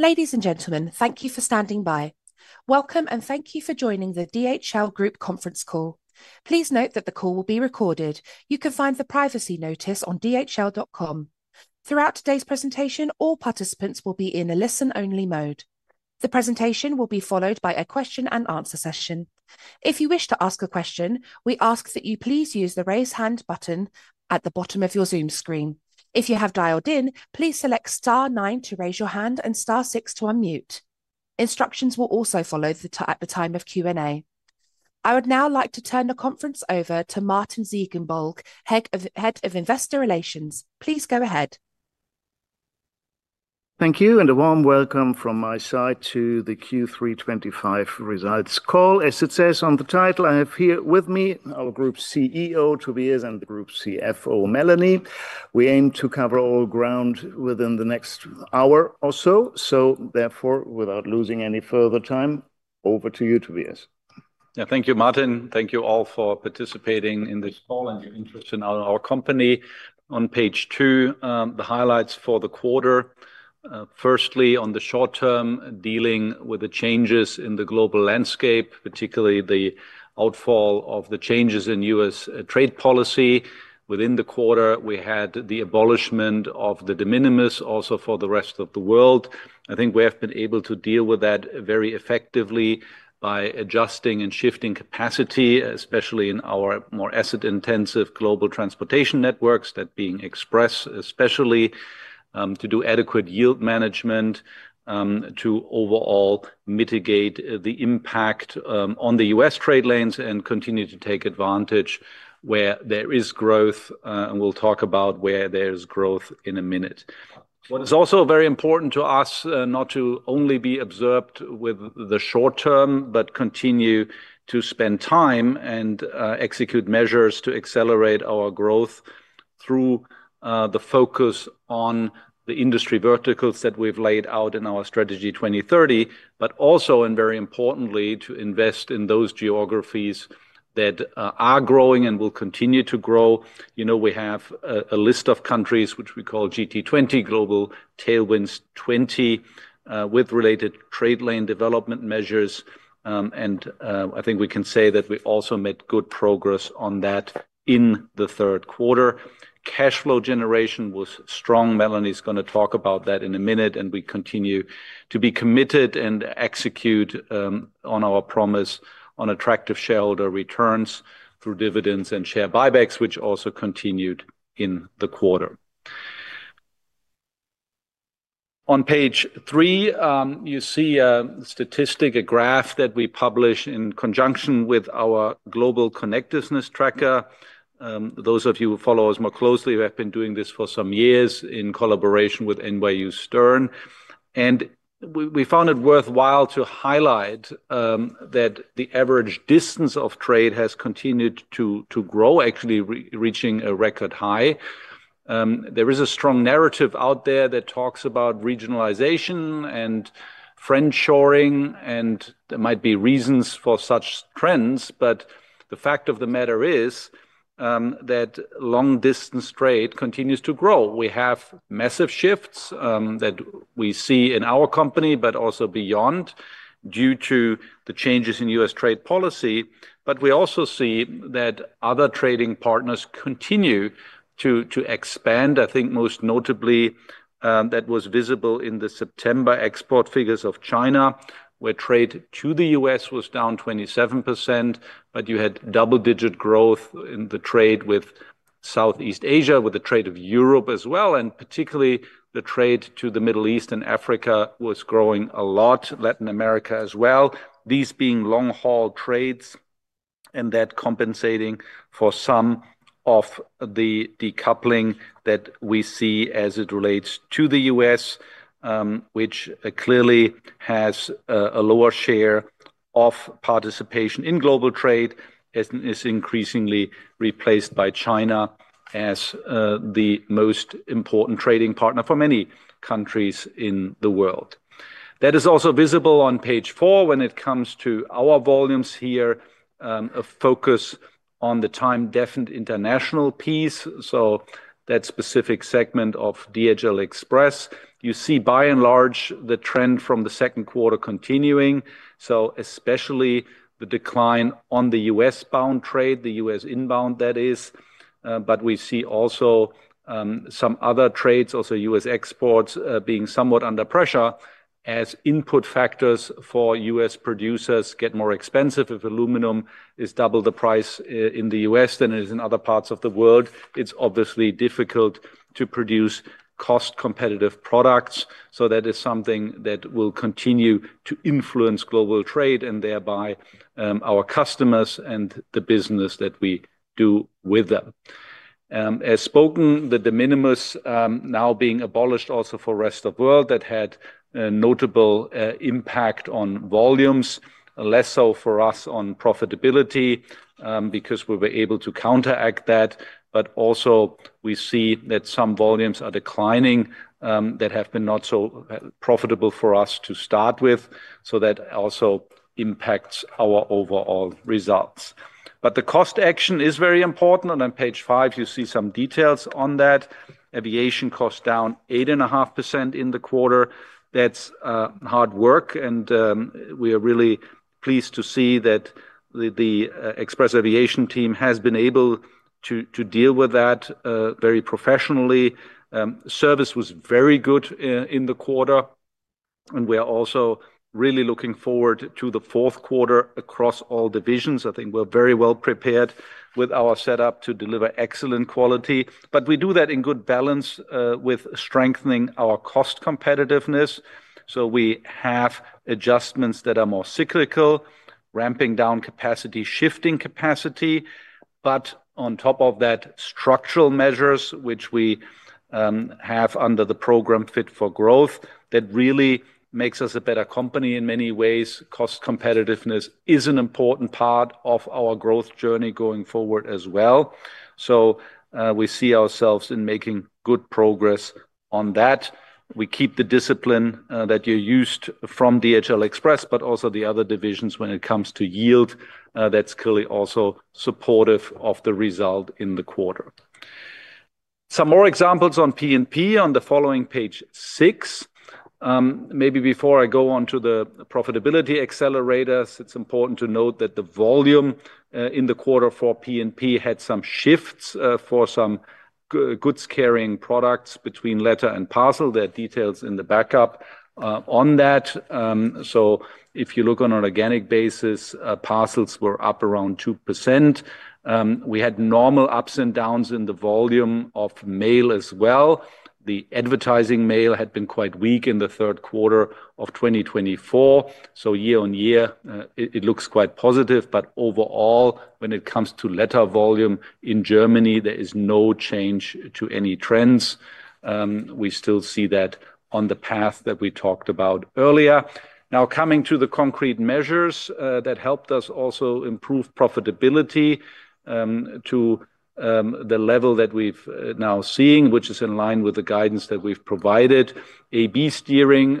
Ladies and gentlemen, thank you for standing by. Welcome, and thank you for joining the DHL Group conference call. Please note that the call will be recorded. You can find the privacy notice on dhl.com. Throughout today's presentation, all participants will be in a listen-only mode. The presentation will be followed by a question-and-answer session. If you wish to ask a question, we ask that you please use the raise hand button at the bottom of your Zoom screen. If you have dialed in, please select star nine to raise your hand and star six to unmute. Instructions will also follow at the time of Q&A. I would now like to turn the conference over to Martin Ziegenbalg, Head of Investor Relations. Please go ahead. Thank you, and a warm welcome from my side to the Q3 2025 results call. As it says on the title, I have here with me our Group CEO, Tobias, and the Group CFO, Melanie. We aim to cover all ground within the next hour or so. Therefore, without losing any further time, over to you, Tobias. Yeah, thank you, Martin. Thank you all for participating in this call and your interest in our company. On page two, the highlights for the quarter. Firstly, on the short term, dealing with the changes in the global landscape, particularly the outfall of the changes in U.S. trade policy. Within the quarter, we had the abolishment of the de minimis also for the rest of the world. I think we have been able to deal with that very effectively by adjusting and shifting capacity, especially in our more asset-intensive global transportation networks, that being Express especially, to do adequate yield management. To overall mitigate the impact on the U.S. trade lanes and continue to take advantage where there is growth. We will talk about where there is growth in a minute. What is also very important to us is not to only be absorbed with the short term, but continue to spend time and execute measures to accelerate our growth through the focus on the industry verticals that we've laid out in our Strategy 2030, but also, and very importantly, to invest in those geographies that are growing and will continue to grow. You know, we have a list of countries which we call GT20, Global Tailwinds 20, with related trade lane development measures. I think we can say that we also made good progress on that in the third quarter. Cash flow generation was strong. Melanie's going to talk about that in a minute, and we continue to be committed and execute on our promise on attractive shareholder returns through dividends and share buybacks, which also continued in the quarter. On page three, you see a statistic, a graph that we publish in conjunction with our Global Connectedness Tracker. Those of you who follow us more closely, we have been doing this for some years in collaboration with NYU Stern. We found it worthwhile to highlight that the average distance of trade has continued to grow, actually reaching a record high. There is a strong narrative out there that talks about regionalization and friend-shoring, and there might be reasons for such trends. The fact of the matter is that long-distance trade continues to grow. We have massive shifts that we see in our company, but also beyond, due to the changes in U.S. trade policy. We also see that other trading partners continue to expand. I think most notably, that was visible in the September export figures of China, where trade to the U.S. was down 27%. You had double-digit growth in the trade with Southeast Asia, with the trade of Europe as well, and particularly the trade to the Middle East and Africa was growing a lot, Latin America as well. These being long-haul trades and that compensating for some of the decoupling that we see as it relates to the U.S., which clearly has a lower share of participation in global trade and is increasingly replaced by China as the most important trading partner for many countries in the world. That is also visible on page four when it comes to our volumes here. A focus on the time-definite international piece, so that specific segment of DHL Express. You see, by and large, the trend from the second quarter continuing, especially the decline on the U.S.-bound trade, the U.S. inbound, that is. We see also some other trades, also U.S. Exports, being somewhat under pressure as input factors for U.S. producers get more expensive. If aluminum is double the price in the U.S. than it is in other parts of the world, it's obviously difficult to produce cost-competitive products. That is something that will continue to influence global trade and thereby our customers and the business that we do with them. As spoken, the de minimis now being abolished also for the rest of the world, that had a notable impact on volumes, less so for us on profitability because we were able to counteract that. Also, we see that some volumes are declining that have been not so profitable for us to start with. That also impacts our overall results. The cost action is very important. On page five, you see some details on that. Aviation costs down 8.5% in the quarter. That's hard work. We are really pleased to see that. The Express aviation team has been able to deal with that very professionally. Service was very good in the quarter. We are also really looking forward to the fourth quarter across all divisions. I think we're very well prepared with our setup to deliver excellent quality. We do that in good balance with strengthening our cost competitiveness. We have adjustments that are more cyclical, ramping down capacity, shifting capacity. On top of that, structural measures, which we have under the program Fit for Growth, really make us a better company in many ways. Cost competitiveness is an important part of our growth journey going forward as well. We see ourselves making good progress on that. We keep the discipline that you used from DHL Express, but also the other divisions when it comes to yield. That is clearly also supportive of the result in the quarter. Some more examples on P&P on the following page six. Maybe before I go on to the profitability accelerators, it is important to note that the volume in the quarter for P&P had some shifts for some goods carrying products between letter and parcel. There are details in the backup on that. If you look on an organic basis, parcels were up around 2%. We had normal ups and downs in the volume of mail as well. The advertising mail had been quite weak in the third quarter of 2024. Year on year, it looks quite positive. Overall, when it comes to letter volume in Germany, there is no change to any trends. We still see that on the path that we talked about earlier. Now, coming to the concrete measures that helped us also improve profitability. To the level that we've now seen, which is in line with the guidance that we've provided, A/B Steering.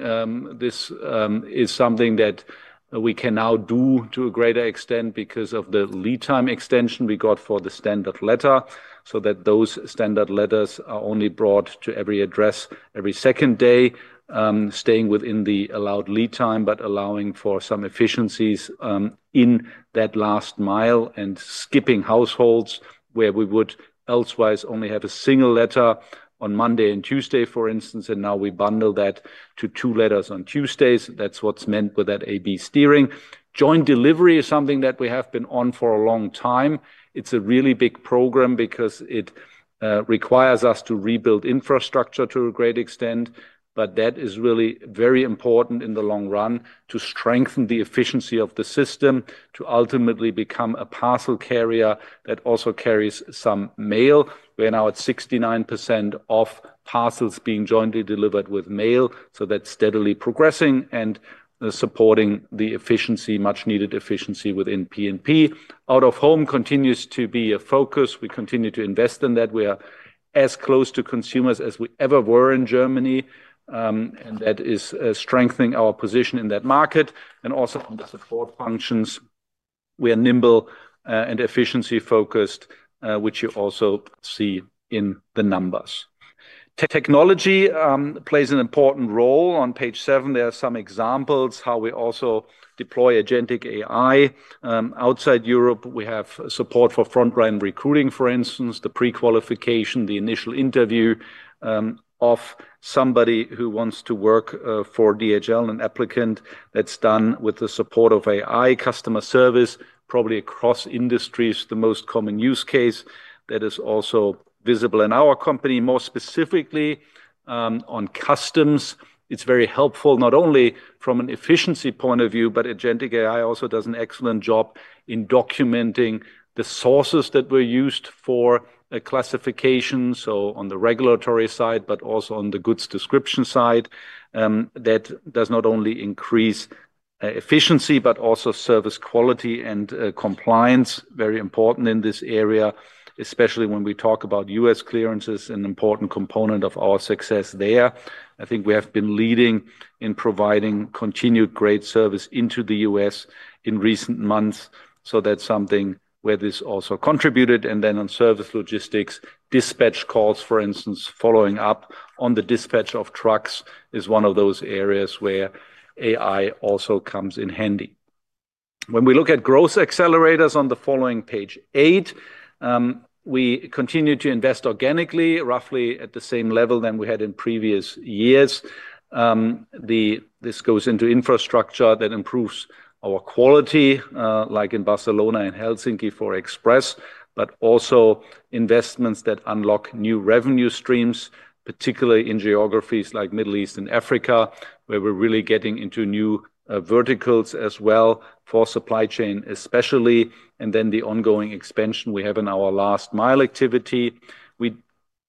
This is something that we can now do to a greater extent because of the lead time extension we got for the standard letter, so that those standard letters are only brought to every address every second day. Staying within the allowed lead time, but allowing for some efficiencies in that last mile and skipping households where we would otherwise only have a single letter on Monday and Tuesday, for instance. Now we bundle that to two letters on Tuesdays. That's what's meant with that A/B Steering. Joint Delivery is something that we have been on for a long time. It's a really big program because it requires us to rebuild infrastructure to a great extent. That is really very important in the long run to strengthen the efficiency of the system to ultimately become a parcel carrier that also carries some mail. We're now at 69% of parcels being jointly delivered with mail. That's steadily progressing and supporting the efficiency, much-needed efficiency within P&P. Out of home continues to be a focus. We continue to invest in that. We are as close to consumers as we ever were in Germany. That is strengthening our position in that market. Also on the support functions, we are nimble and efficiency-focused, which you also see in the numbers. Technology plays an important role. On page seven, there are some examples of how we also deploy agentic AI. Outside Europe, we have support for frontline recruiting, for instance, the pre-qualification, the initial interview. Of somebody who wants to work for DHL, an applicant, that's done with the support of AI. Customer service, probably across industries, the most common use case, that is also visible in our company. More specifically, on customs, it's very helpful not only from an efficiency point of view, but agentic AI also does an excellent job in documenting the sources that were used for classification, so on the regulatory side, but also on the goods description side. That does not only increase efficiency, but also service quality and compliance, very important in this area, especially when we talk about U.S. clearances, an important component of our success there. I think we have been leading in providing continued great service into the U.S. in recent months. That's something where this also contributed. On service logistics, dispatch calls, for instance, following up on the dispatch of trucks is one of those areas where AI also comes in handy. When we look at growth accelerators on the following page eight, we continue to invest organically, roughly at the same level as we had in previous years. This goes into infrastructure that improves our quality, like in Barcelona and Helsinki for Express, but also investments that unlock new revenue streams, particularly in geographies like Middle East and Africa, where we are really getting into new verticals as well for supply chain especially. The ongoing expansion we have in our last mile activity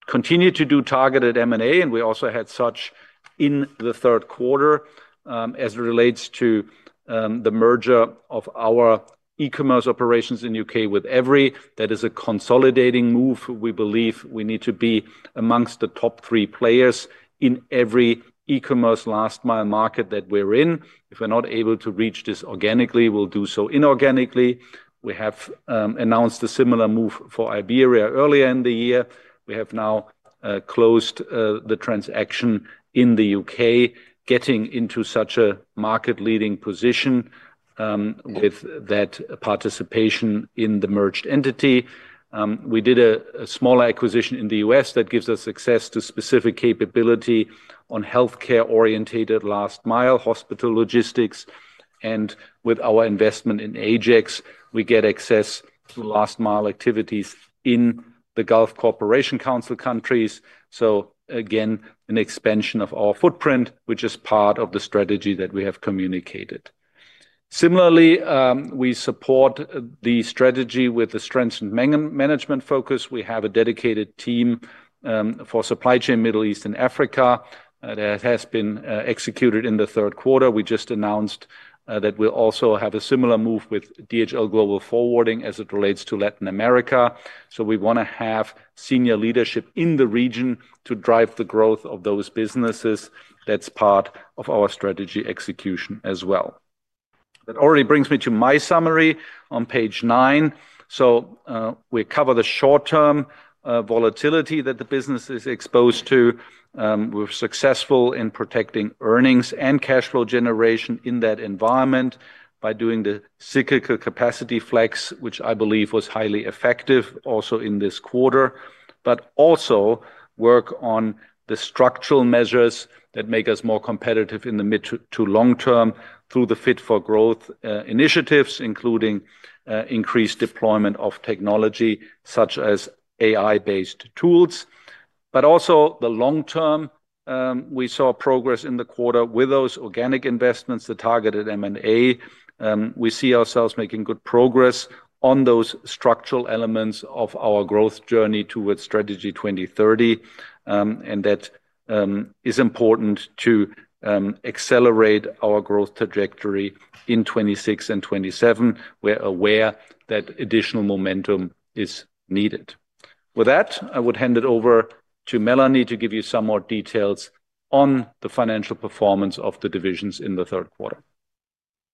continues. We do targeted M&A, and we also had such in the third quarter as it relates to the merger of our eCommerce operations in the U.K. with Evri. That is a consolidating move. We believe we need to be amongst the top three players in every eCommerce last mile market that we're in. If we're not able to reach this organically, we'll do so inorganically. We have announced a similar move for Iberia earlier in the year. We have now closed the transaction in the U.K., getting into such a market-leading position with that participation in the merged entity. We did a smaller acquisition in the U.S. that gives us access to specific capability on healthcare-orientated last mile, hospital logistics. With our investment in AJEX, we get access to last mile activities in the Gulf Cooperation Council countries. Again, an expansion of our footprint, which is part of the strategy that we have communicated. Similarly, we support the strategy with the strengthened management focus. We have a dedicated team. For Supply Chain Middle East and Africa, that has been executed in the third quarter. We just announced that we'll also have a similar move with DHL Global Forwarding as it relates to Latin America. We want to have senior leadership in the region to drive the growth of those businesses. That is part of our strategy execution as well. That already brings me to my summary on page nine. We cover the short-term volatility that the business is exposed to. We are successful in protecting earnings and cash flow generation in that environment by doing the cyclical capacity flex, which I believe was highly effective also in this quarter, but also work on the structural measures that make us more competitive in the mid to long term through the Fit for Growth initiatives, including increased deployment of technology such as AI-based tools. But also the long term, we saw progress in the quarter with those organic investments, the targeted M&A. We see ourselves making good progress on those structural elements of our growth journey towards Strategy 2030. That is important to accelerate our growth trajectory in 2026 and 2027. We are aware that additional momentum is needed. With that, I would hand it over to Melanie to give you some more details on the financial performance of the divisions in the third quarter.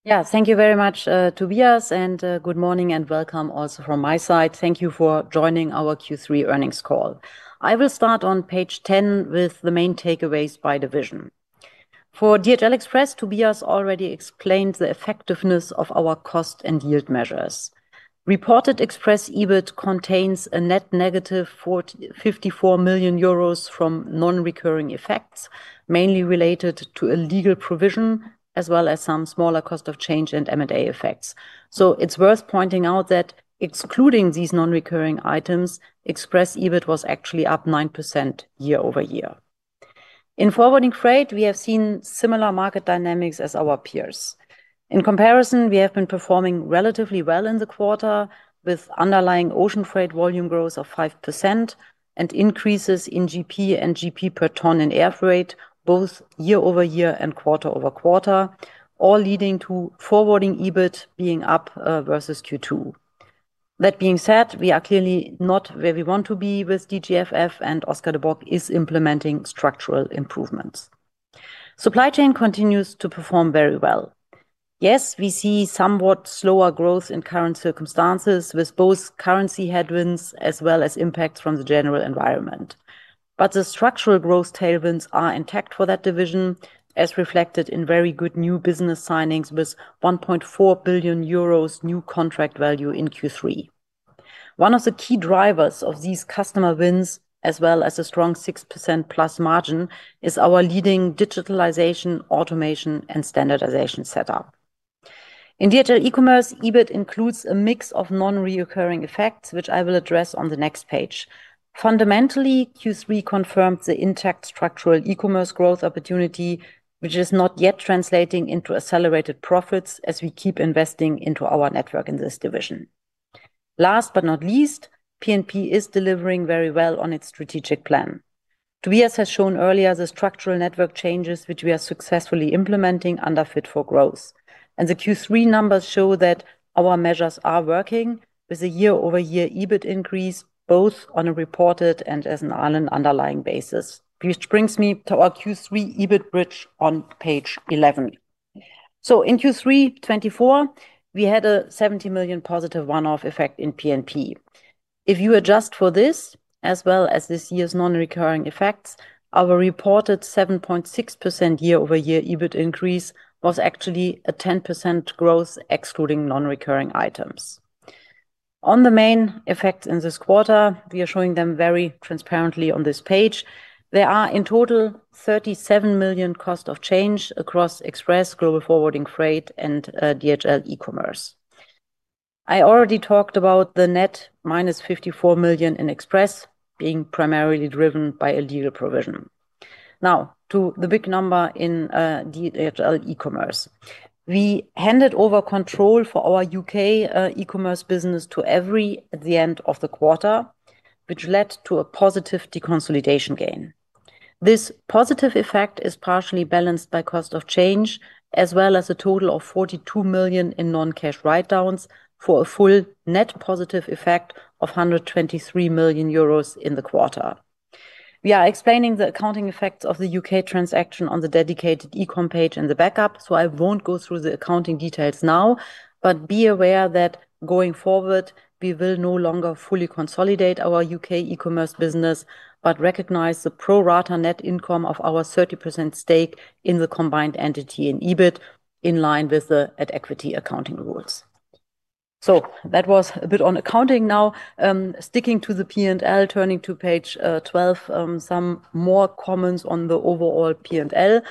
Yeah, thank you very much, Tobias, and good morning and welcome also from my side. Thank you for joining our Q3 earnings call. I will start on page 10 with the main takeaways by division. For DHL Express, Tobias already explained the effectiveness of our cost and yield measures. Reported Express EBIT contains a net -54 million euros from non-recurring effects, mainly related to a legal provision as well as some smaller cost of change and M&A effects. It is worth pointing out that excluding these non-recurring items, Express EBIT was actually up 9% year-over-year. In forwarding freight, we have seen similar market dynamics as our peers. In comparison, we have been performing relatively well in the quarter with underlying ocean freight volume growth of 5% and increases in GP and GP per ton in air freight, both year-over-year and quarter-over-quarter, all leading to forwarding EBIT being up versus Q2. That being said, we are clearly not where we want to be with DGFF, and Oscar De Bok is implementing structural improvements. Supply Chain continues to perform very well. Yes, we see somewhat slower growth in current circumstances with both currency headwinds as well as impacts from the general environment. The structural growth tailwinds are intact for that division, as reflected in very good new business signings with 1.4 billion euros new contract value in Q3. One of the key drivers of these customer wins, as well as a strong 6%+ margin, is our leading digitalization, automation, and standardization setup. In DHL eCommerce, EBIT includes a mix of non-reoccurring effects, which I will address on the next page. Fundamentally, Q3 confirmed the intact structural eCommerce growth opportunity, which is not yet translating into accelerated profits as we keep investing into our network in this division. Last but not least, P&P is delivering very well on its strategic plan. Tobias has shown earlier the structural network changes, which we are successfully implementing under Fit for Growth. The Q3 numbers show that our measures are working with a year-over-year EBIT increase, both on a reported and as an underlying basis, which brings me to our Q3 EBIT bridge on page 11. In Q3 2024, we had a 70 million positive one-off effect in P&P. If you adjust for this, as well as this year's non-recurring effects, our reported 7.6% year-over-year EBIT increase was actually a 10% growth excluding non-recurring items. On the main effects in this quarter, we are showing them very transparently on this page. There are in total 37 million cost of change across Express, Global Forwarding Freight, and DHL eCommerce. I already talked about the net -54 million in Express being primarily driven by a legal provision. Now, to the big number in DHL eCommerce. We handed over control for our U.K. eCommerce business to Evri at the end of the quarter, which led to a positive deconsolidation gain. This positive effect is partially balanced by cost of change, as well as a total of 42 million in non-cash write-downs for a full net positive effect of 123 million euros in the quarter. We are explaining the accounting effects of the U.K. transaction on the dedicated e-com page in the backup, so I won't go through the accounting details now, but be aware that going forward, we will no longer fully consolidate our U.K. eCommerce business, but recognize the pro-rata net income of our 30% stake in the combined entity in EBIT in line with the net equity accounting rules. That was a bit on accounting. Now, sticking to the P&L, turning to page 12, some more comments on the overall P&L.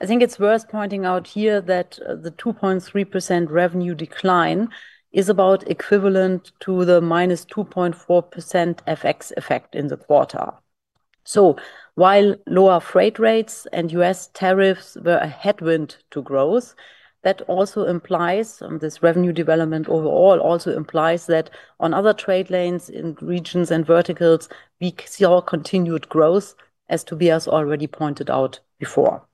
I think it's worth pointing out here that the 2.3% revenue decline is about equivalent to the -2.4% FX effect in the quarter. While lower freight rates and U.S. tariffs were a headwind to growth, that also implies this revenue development overall also implies that on other trade lanes in regions and verticals, we see all continued growth, as Tobias already pointed out before.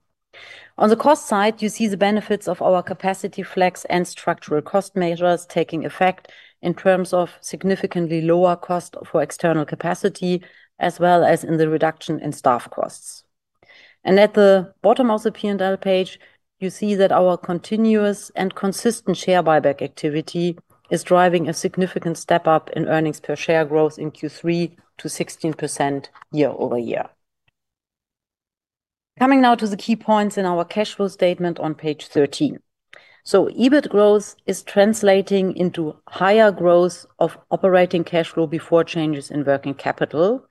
On the cost side, you see the benefits of our capacity flex and structural cost measures taking effect in terms of significantly lower cost for external capacity, as well as in the reduction in staff costs. At the bottom of the P&L page, you see that our continuous and consistent share buyback activity is driving a significant step up in earnings per share growth in Q3 to 16% year-over-year. Coming now to the key points in our cash flow statement on page 13. EBIT growth is translating into higher growth of operating cash flow before changes in working capital.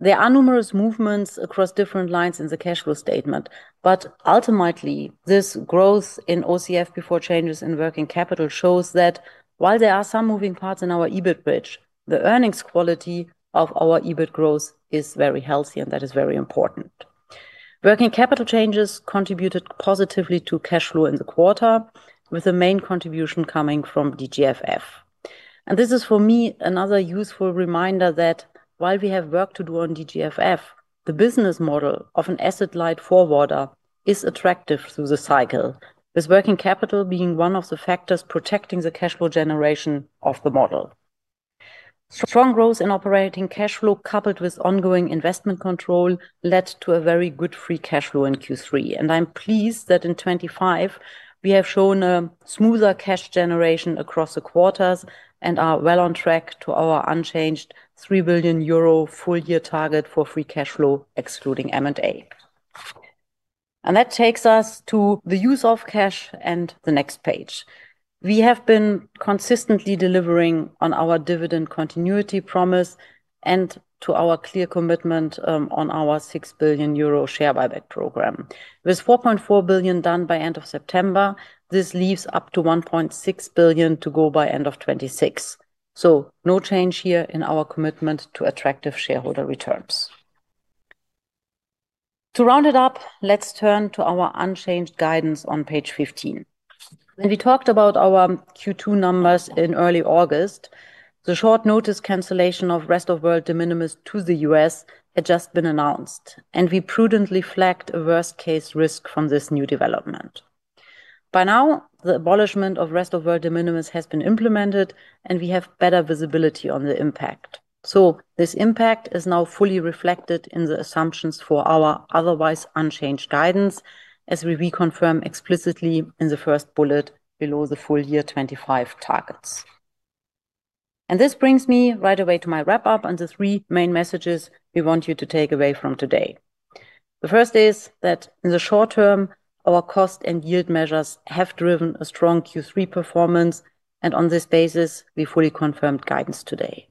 There are numerous movements across different lines in the cash flow statement, but ultimately, this growth in OCF before changes in working capital shows that while there are some moving parts in our EBIT bridge, the earnings quality of our EBIT growth is very healthy, and that is very important. Working capital changes contributed positively to cash flow in the quarter, with the main contribution coming from DGFF. This is, for me, another useful reminder that while we have work to do on DGFF, the business model of an asset-light forwarder is attractive through the cycle, with working capital being one of the factors protecting the cash flow generation of the model. Strong growth in operating cash flow coupled with ongoing investment control led to a very good free cash flow in Q3. I'm pleased that in 2025, we have shown a smoother cash generation across the quarters and are well on track to our unchanged 3 billion euro full-year target for free cash flow, excluding M&A. That takes us to the use of cash and the next page. We have been consistently delivering on our dividend continuity promise and to our clear commitment on our 6 billion euro share buyback program. With 4.4 billion done by end of September, this leaves up to 1.6 billion to go by end of 2026. No change here in our commitment to attractive shareholder returns. To round it up, let's turn to our unchanged guidance on page 15. When we talked about our Q2 numbers in early August, the short notice cancellation of rest of world de minimis to the U.S. had just been announced, and we prudently flagged a worst-case risk from this new development. By now, the abolishment of rest of world de minimis has been implemented, and we have better visibility on the impact. This impact is now fully reflected in the assumptions for our otherwise unchanged guidance, as we reconfirm explicitly in the first bullet below the full year 2025 targets. This brings me right away to my wrap-up and the three main messages we want you to take away from today. The first is that in the short term, our cost and yield measures have driven a strong Q3 performance, and on this basis, we fully confirmed guidance today.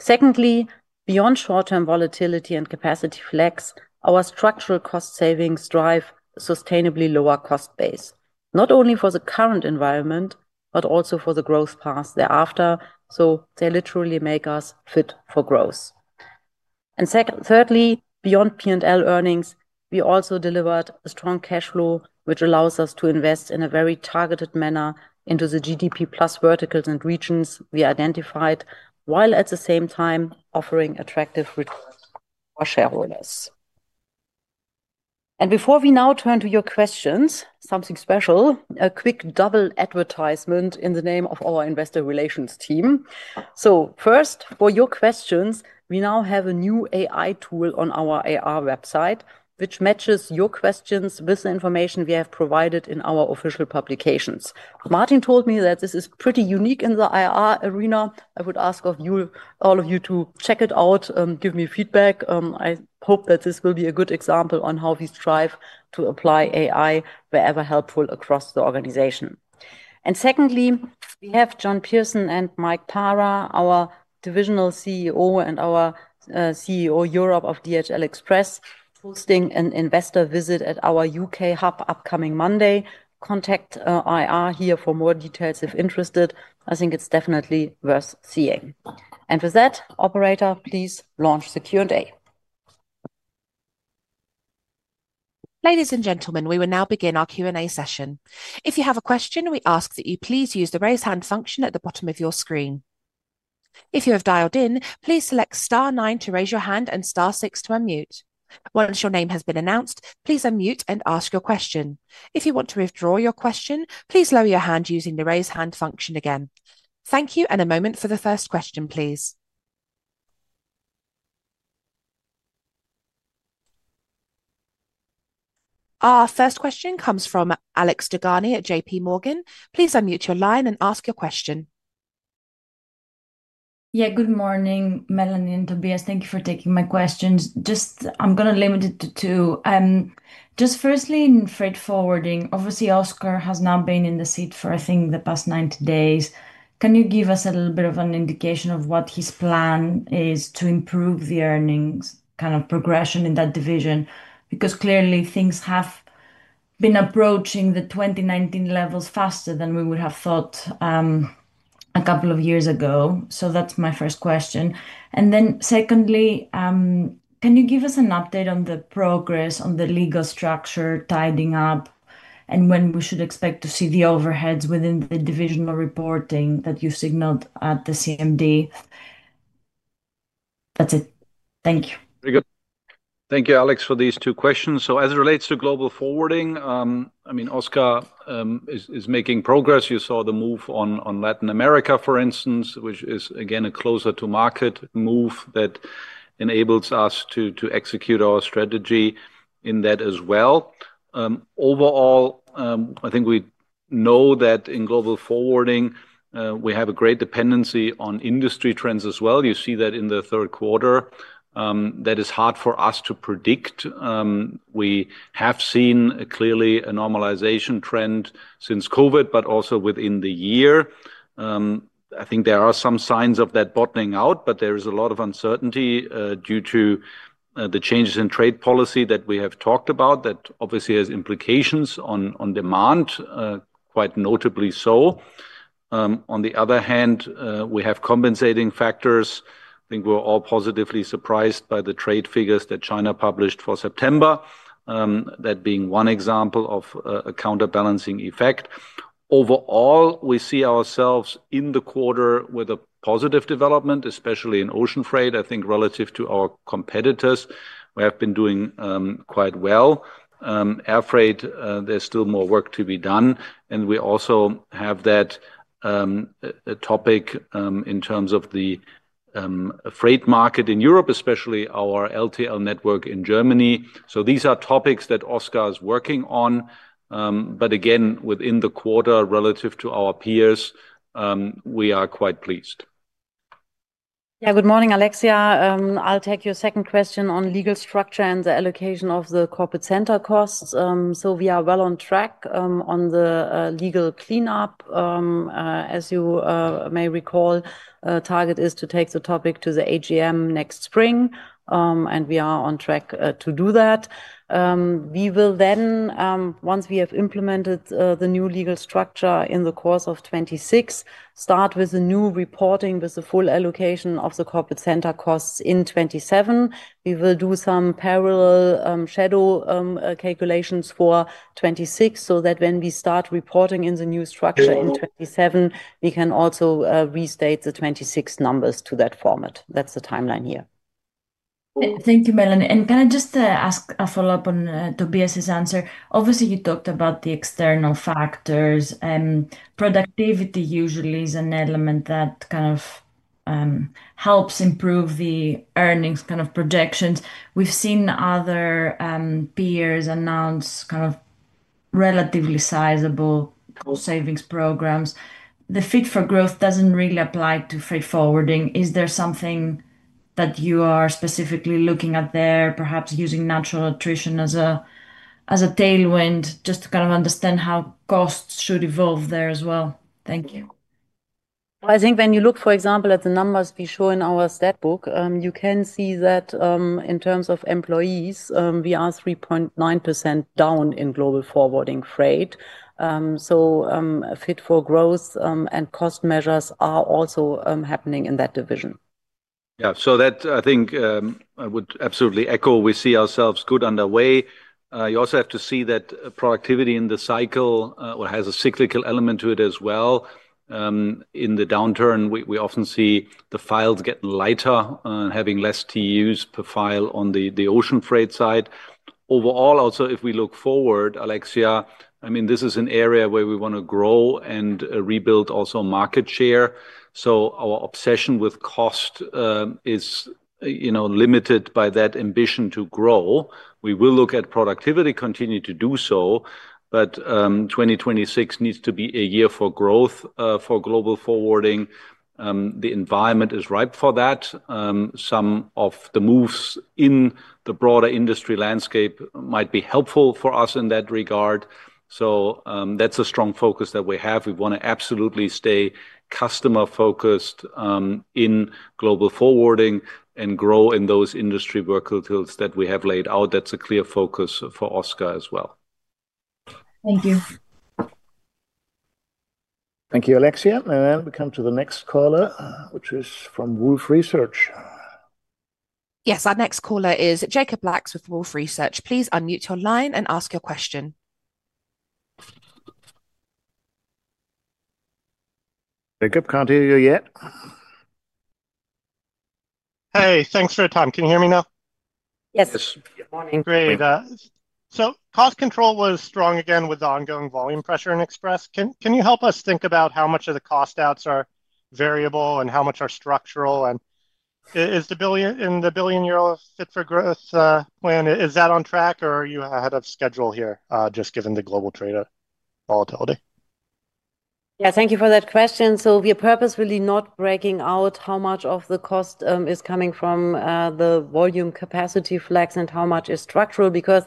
Secondly, beyond short-term volatility and capacity flex, our structural cost savings drive a sustainably lower cost base, not only for the current environment, but also for the growth path thereafter. They literally make us fit for growth. Thirdly, beyond P&L earnings, we also delivered a strong cash flow, which allows us to invest in a very targeted manner into the GDP plus verticals and regions we identified, while at the same time offering attractive returns for shareholders. Before we now turn to your questions, something special, a quick double advertisement in the name of our investor relations team. First, for your questions, we now have a new AI tool on our IR website, which matches your questions with the information we have provided in our official publications. Martin told me that this is pretty unique in the IR arena. I would ask all of you to check it out and give me feedback. I hope that this will be a good example on how we strive to apply AI wherever helpful across the organization. Secondly, we have John Pearson and Mike Parra, our divisional CEO and our CEO Europe of DHL Express, hosting an investor visit at our U.K. hub upcoming Monday. Contact IR here for more details if interested. I think it's definitely worth seeing. With that, operator, please launch the Q&A. Ladies and gentlemen, we will now begin our Q&A session. If you have a question, we ask that you please use the raise hand function at the bottom of your screen. If you have dialed in, please select star nine to raise your hand and star six to unmute. Once your name has been announced, please unmute and ask your question. If you want to withdraw your question, please lower your hand using the raise hand function again. Thank you, and a moment for the first question, please. Our first question comes from Alex Dogani at JPMorgan. Please unmute your line and ask your question. Yeah, good morning, Melanie and Tobias. Thank you for taking my questions. Just, I'm going to limit it to two. Just firstly, in freight forwarding, obviously, Oscar has now been in the seat for, I think, the past 90 days. Can you give us a little bit of an indication of what his plan is to improve the earnings kind of progression in that division? Because clearly, things have been approaching the 2019 levels faster than we would have thought a couple of years ago. So that's my first question. And then secondly. Can you give us an update on the progress on the legal structure tidying up and when we should expect to see the overheads within the divisional reporting that you signaled at the CMD? That's it. Thank you. Thank you, Alex, for these two questions. As it relates to Global Forwarding, I mean, Oscar is making progress. You saw the move on Latin America, for instance, which is, again, a closer-to-market move that enables us to execute our strategy in that as well. Overall, I think we know that in Global Forwarding, we have a great dependency on industry trends as well. You see that in the third quarter. That is hard for us to predict. We have seen clearly a normalization trend since COVID, but also within the year. I think there are some signs of that bottoming out, but there is a lot of uncertainty due to the changes in trade policy that we have talked about that obviously has implications on demand, quite notably so. On the other hand, we have compensating factors. I think we're all positively surprised by the trade figures that China published for September. That being one example of a counterbalancing effect. Overall, we see ourselves in the quarter with a positive development, especially in ocean freight, I think relative to our competitors. We have been doing quite well. Air freight, there's still more work to be done. We also have that topic in terms of the freight market in Europe, especially our LTL network in Germany. These are topics that Oscar is working on. Again, within the quarter, relative to our peers, we are quite pleased. Yeah, good morning, Alexia. I'll take your second question on legal structure and the allocation of the corporate center costs. We are well on track on the legal cleanup. As you may recall, target is to take the topic to the AGM next spring, and we are on track to do that. We will then, once we have implemented the new legal structure in the course of 2026, start with the new reporting with the full allocation of the corporate center costs in 2027. We will do some parallel shadow calculations for 2026 so that when we start reporting in the new structure in 2027, we can also restate the 2026 numbers to that format. That's the timeline here. Thank you, Melanie. Can I just ask a follow-up on Tobias's answer? Obviously, you talked about the external factors. Productivity usually is an element that kind of. Helps improve the earnings kind of projections. We've seen other peers announce kind of relatively sizable savings programs. The Fit for Growth doesn't really apply to freight forwarding. Is there something that you are specifically looking at there, perhaps using natural attrition as a tailwind just to kind of understand how costs should evolve there as well? Thank you. I think when you look, for example, at the numbers we show in our statbook, you can see that in terms of employees, we are 3.9% down in Global Forwarding Freight. So Fit for Growth and cost measures are also happening in that division. Yeah, so that, I think, I would absolutely echo. We see ourselves good underway. You also have to see that productivity in the cycle has a cyclical element to it as well. In the downturn, we often see the files getting lighter and having less to use per file on the ocean freight side. Overall, also, if we look forward, Alexia, I mean, this is an area where we want to grow and rebuild also market share. Our obsession with cost is limited by that ambition to grow. We will look at productivity, continuing to do so, but 2026 needs to be a year for growth for global forwarding. The environment is ripe for that. Some of the moves in the broader industry landscape might be helpful for us in that regard. That is a strong focus that we have. We want to absolutely stay customer-focused in global forwarding and grow in those industry verticals that we have laid out. That is a clear focus for Oscar as well. Thank you. Thank you, Alexia. And then we come to the next caller, which is from Wolfe Research. Yes, our next caller is Jakob Lacks with Wolfe Research. Please unmute your line and ask your question. Jakob, cannot hear you yet. Hey, thanks for your time. Can you hear me now? Yes. Good morning. Great. Cost control was strong again with the ongoing volume pressure in Express. Can you help us think about how much of the cost outs are variable and how much are structural? Is the 1 billion Fit for Growth plan, is that on track, or are you ahead of schedule here just given the global trade volatility? Yeah, thank you for that question. We are purposefully not breaking out how much of the cost is coming from the volume capacity flex and how much is structural because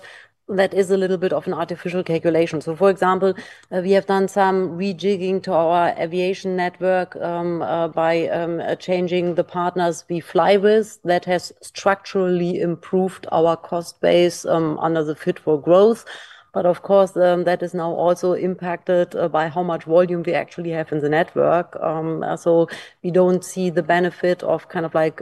that is a little bit of an artificial calculation. For example, we have done some rejigging to our aviation network by changing the partners we fly with. That has structurally improved our cost base under Fit for Growth. Of course, that is now also impacted by how much volume we actually have in the network. We do not see the benefit of kind of like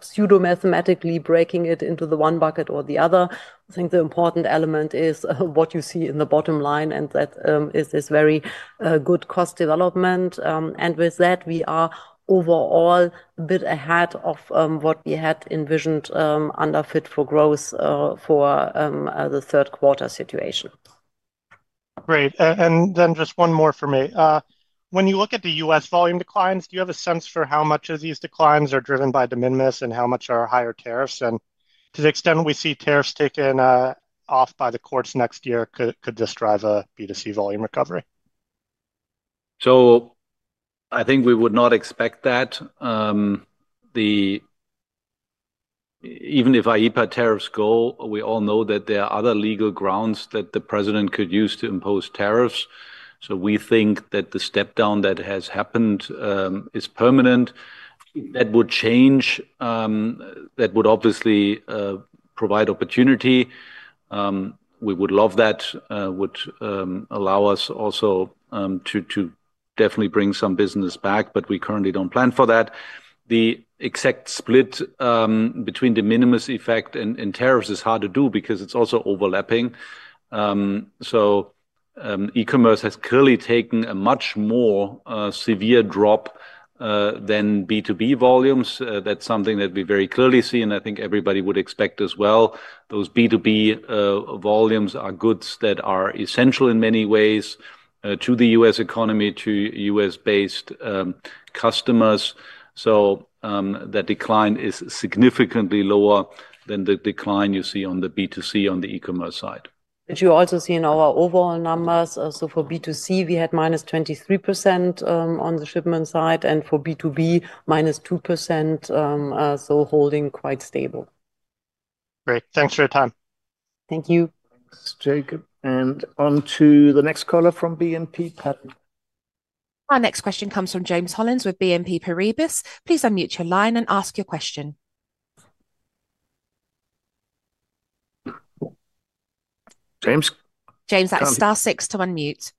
pseudo-mathematically breaking it into the one bucket or the other. I think the important element is what you see in the bottom line, and that is this very good cost development. With that, we are overall a bit ahead of what we had envisioned under Fit for Growth for the third quarter situation. Great. Just one more for me. When you look at the U.S. volume declines, do you have a sense for how much of these declines are driven by de minimis and how much are higher tariffs? To the extent we see tariffs taken off by the courts next year, could this drive a B2C volume recovery? I think we would not expect that. Even if IEEPA tariffs go, we all know that there are other legal grounds that the president could use to impose tariffs. We think that the step down that has happened is permanent. That would change. That would obviously provide opportunity. We would love that. Would allow us also to definitely bring some business back, but we currently do not plan for that. The exact split between de minimis effect and tariffs is hard to do because it is also overlapping. ECommerce has clearly taken a much more severe drop. Than B2B volumes. That's something that we very clearly see, and I think everybody would expect as well. Those B2B volumes are goods that are essential in many ways to the U.S. economy, to U.S.-based customers. That decline is significantly lower than the decline you see on the B2C on the eCommerce side. You also see in our overall numbers, so for B2C, we had -23% on the shipment side, and for B2B, -2%. Holding quite stable. Great. Thanks for your time. Thank you. Thanks, Jakob. On to the next caller from BNP Paribas. Our next question comes from James Hollins with BNP Paribas. Please unmute your line and ask your question. James? James, that is star six to unmute.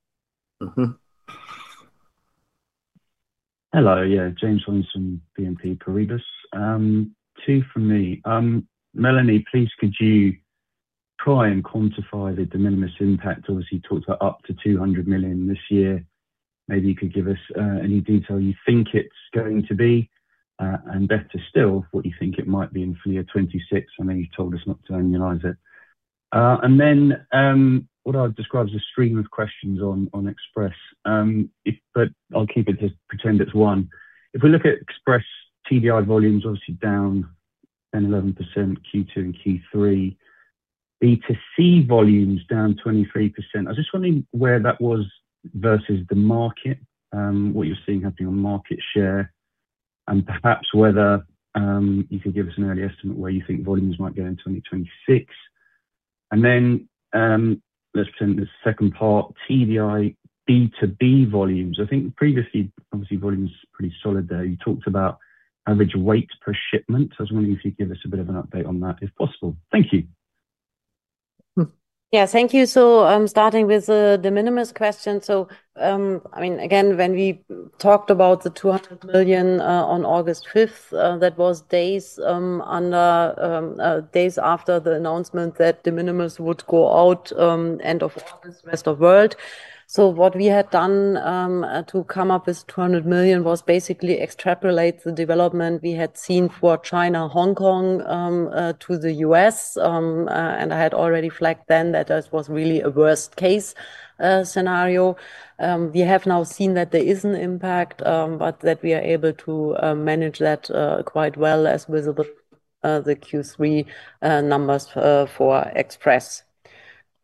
Hello. Yeah, James Hollins from BNP Paribas. Two from me. Melanie, please, could you try and quantify the de minimis impact? Obviously, you talked about up to 200 million this year. Maybe you could give us any detail you think it's going to be. And better still, what you think it might be in the year 2026. I know you've told us not to analyze it. Then, what I would describe as a stream of questions on Express. I'll keep it to pretend it's one. If we look at Express TDI volumes, obviously down 10%-11% Q2 and Q3. B2C volumes down 23%. I was just wondering where that was versus the market, what you're seeing happening on market share, and perhaps whether you could give us an early estimate where you think volumes might go in 2026. Then, let's pretend the second part, TDI B2B volumes. I think previously, obviously, volume is pretty solid there. You talked about average weight per shipment. I was wondering if you could give us a bit of an update on that, if possible. Thank you. Yeah, thank you. So I'm starting with the de minimis question. I mean, again, when we talked about the 200 million on August 5th, that was days after the announcement that de minimis would go out end of August, rest of world. What we had done to come up with 200 million was basically extrapolate the development we had seen for China, Hong Kong, to the U.S. I had already flagged then that this was really a worst-case scenario. We have now seen that there is an impact, but that we are able to manage that quite well as with the Q3 numbers for Express.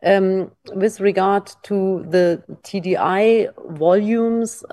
With regard to the TDI volumes,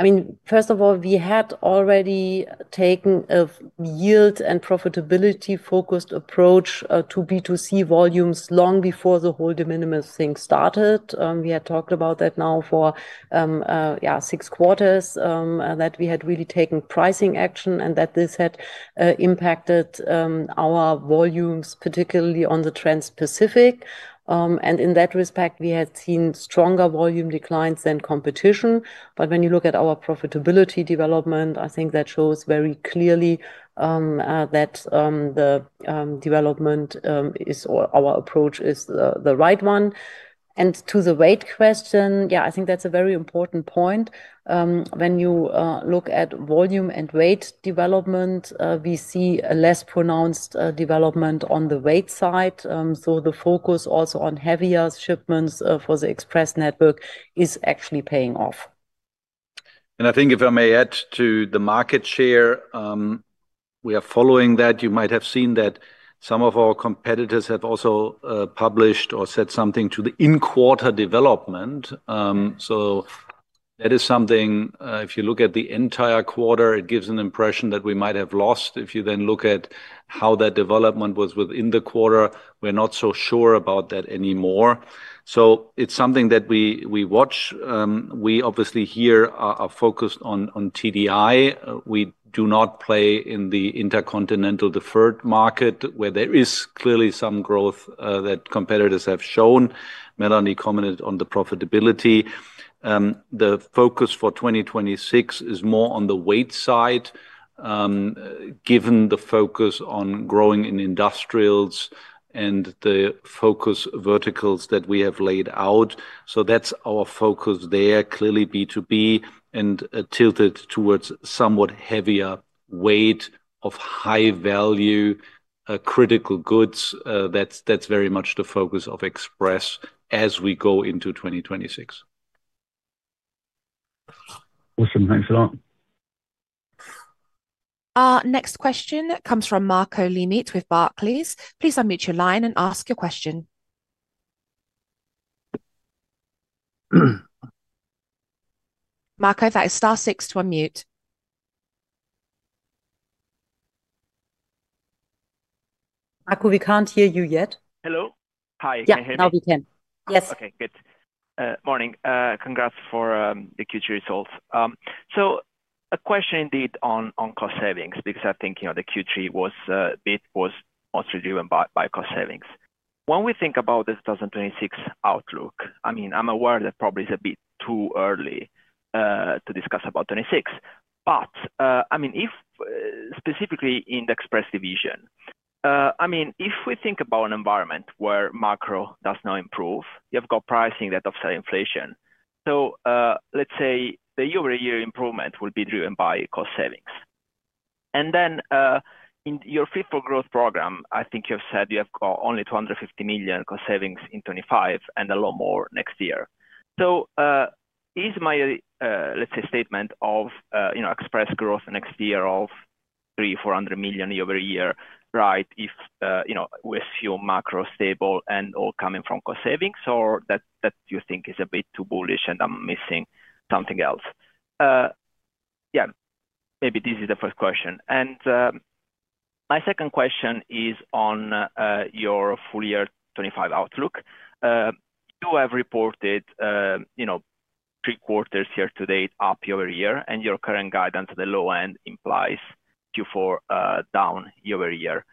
I mean, first of all, we had already taken a yield and profitability-focused approach to B2C volumes long before the whole de minimis thing started. We had talked about that now for, yeah, six quarters, that we had really taken pricing action and that this had impacted our volumes, particularly on the Trans-Pacific. In that respect, we had seen stronger volume declines than competition. When you look at our profitability development, I think that shows very clearly that the development is our approach is the right one. To the weight question, yeah, I think that's a very important point. When you look at volume and weight development, we see a less pronounced development on the weight side. The focus also on heavier shipments for the Express network is actually paying off. I think if I may add to the market share. We are following that. You might have seen that some of our competitors have also published or said something to the in-quarter development. That is something, if you look at the entire quarter, it gives an impression that we might have lost. If you then look at how that development was within the quarter, we're not so sure about that anymore. It is something that we watch. We obviously here are focused on TDI. We do not play in the intercontinental deferred market where there is clearly some growth that competitors have shown. Melanie commented on the profitability. The focus for 2026 is more on the weight side. Given the focus on growing in industrials and the focus verticals that we have laid out. That's our focus there, clearly B2B, and tilted towards somewhat heavier weight of high-value, critical goods. That's very much the focus of Express as we go into 2026. Awesome. Thanks a lot. Next question comes from Marco Limite with Barclays. Please unmute your line and ask your question. Marco, that is star six to unmute. Marco, we can't hear you yet. Hello? Hi. Yeah, now we can. Yes. Okay. Good morning. Congrats for the Q3 results. A question indeed on cost savings because I think Q3 was mostly driven by cost savings. When we think about the 2026 outlook, I mean, I'm aware that probably it's a bit too early to discuss about 2026. But, I mean, specifically in the Express division, if we think about an environment where macro does not improve, you've got pricing that offsets inflation. Let's say the year-over-year improvement will be driven by cost savings. In your Fit for Growth program, I think you have said you have only 250 million cost savings in 2025 and a lot more next year. Is my statement of Express growth next year of 300-400 million year-over-year right if we assume macro stable and all coming from cost savings, or do you think that is a bit too bullish and I am missing something else? Maybe this is the first question. My second question is on your full year 2025 outlook. You have reported three quarters year to date up year-over-year, and your current guidance at the low end implies Q4 down year-over-year.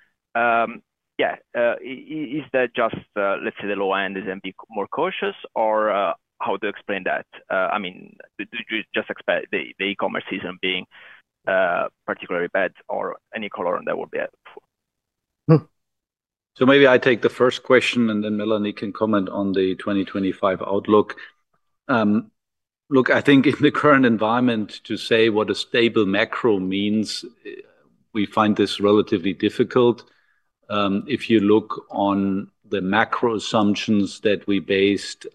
Is that just the low end is a bit more cautious, or how do you explain that? I mean, did you just expect the eCommerce season being particularly bad or any color on that would be? Maybe I take the first question, and then Melanie can comment on the 2025 outlook. Look, I think in the current environment, to say what a stable macro means, we find this relatively difficult. If you look on the macro assumptions that we based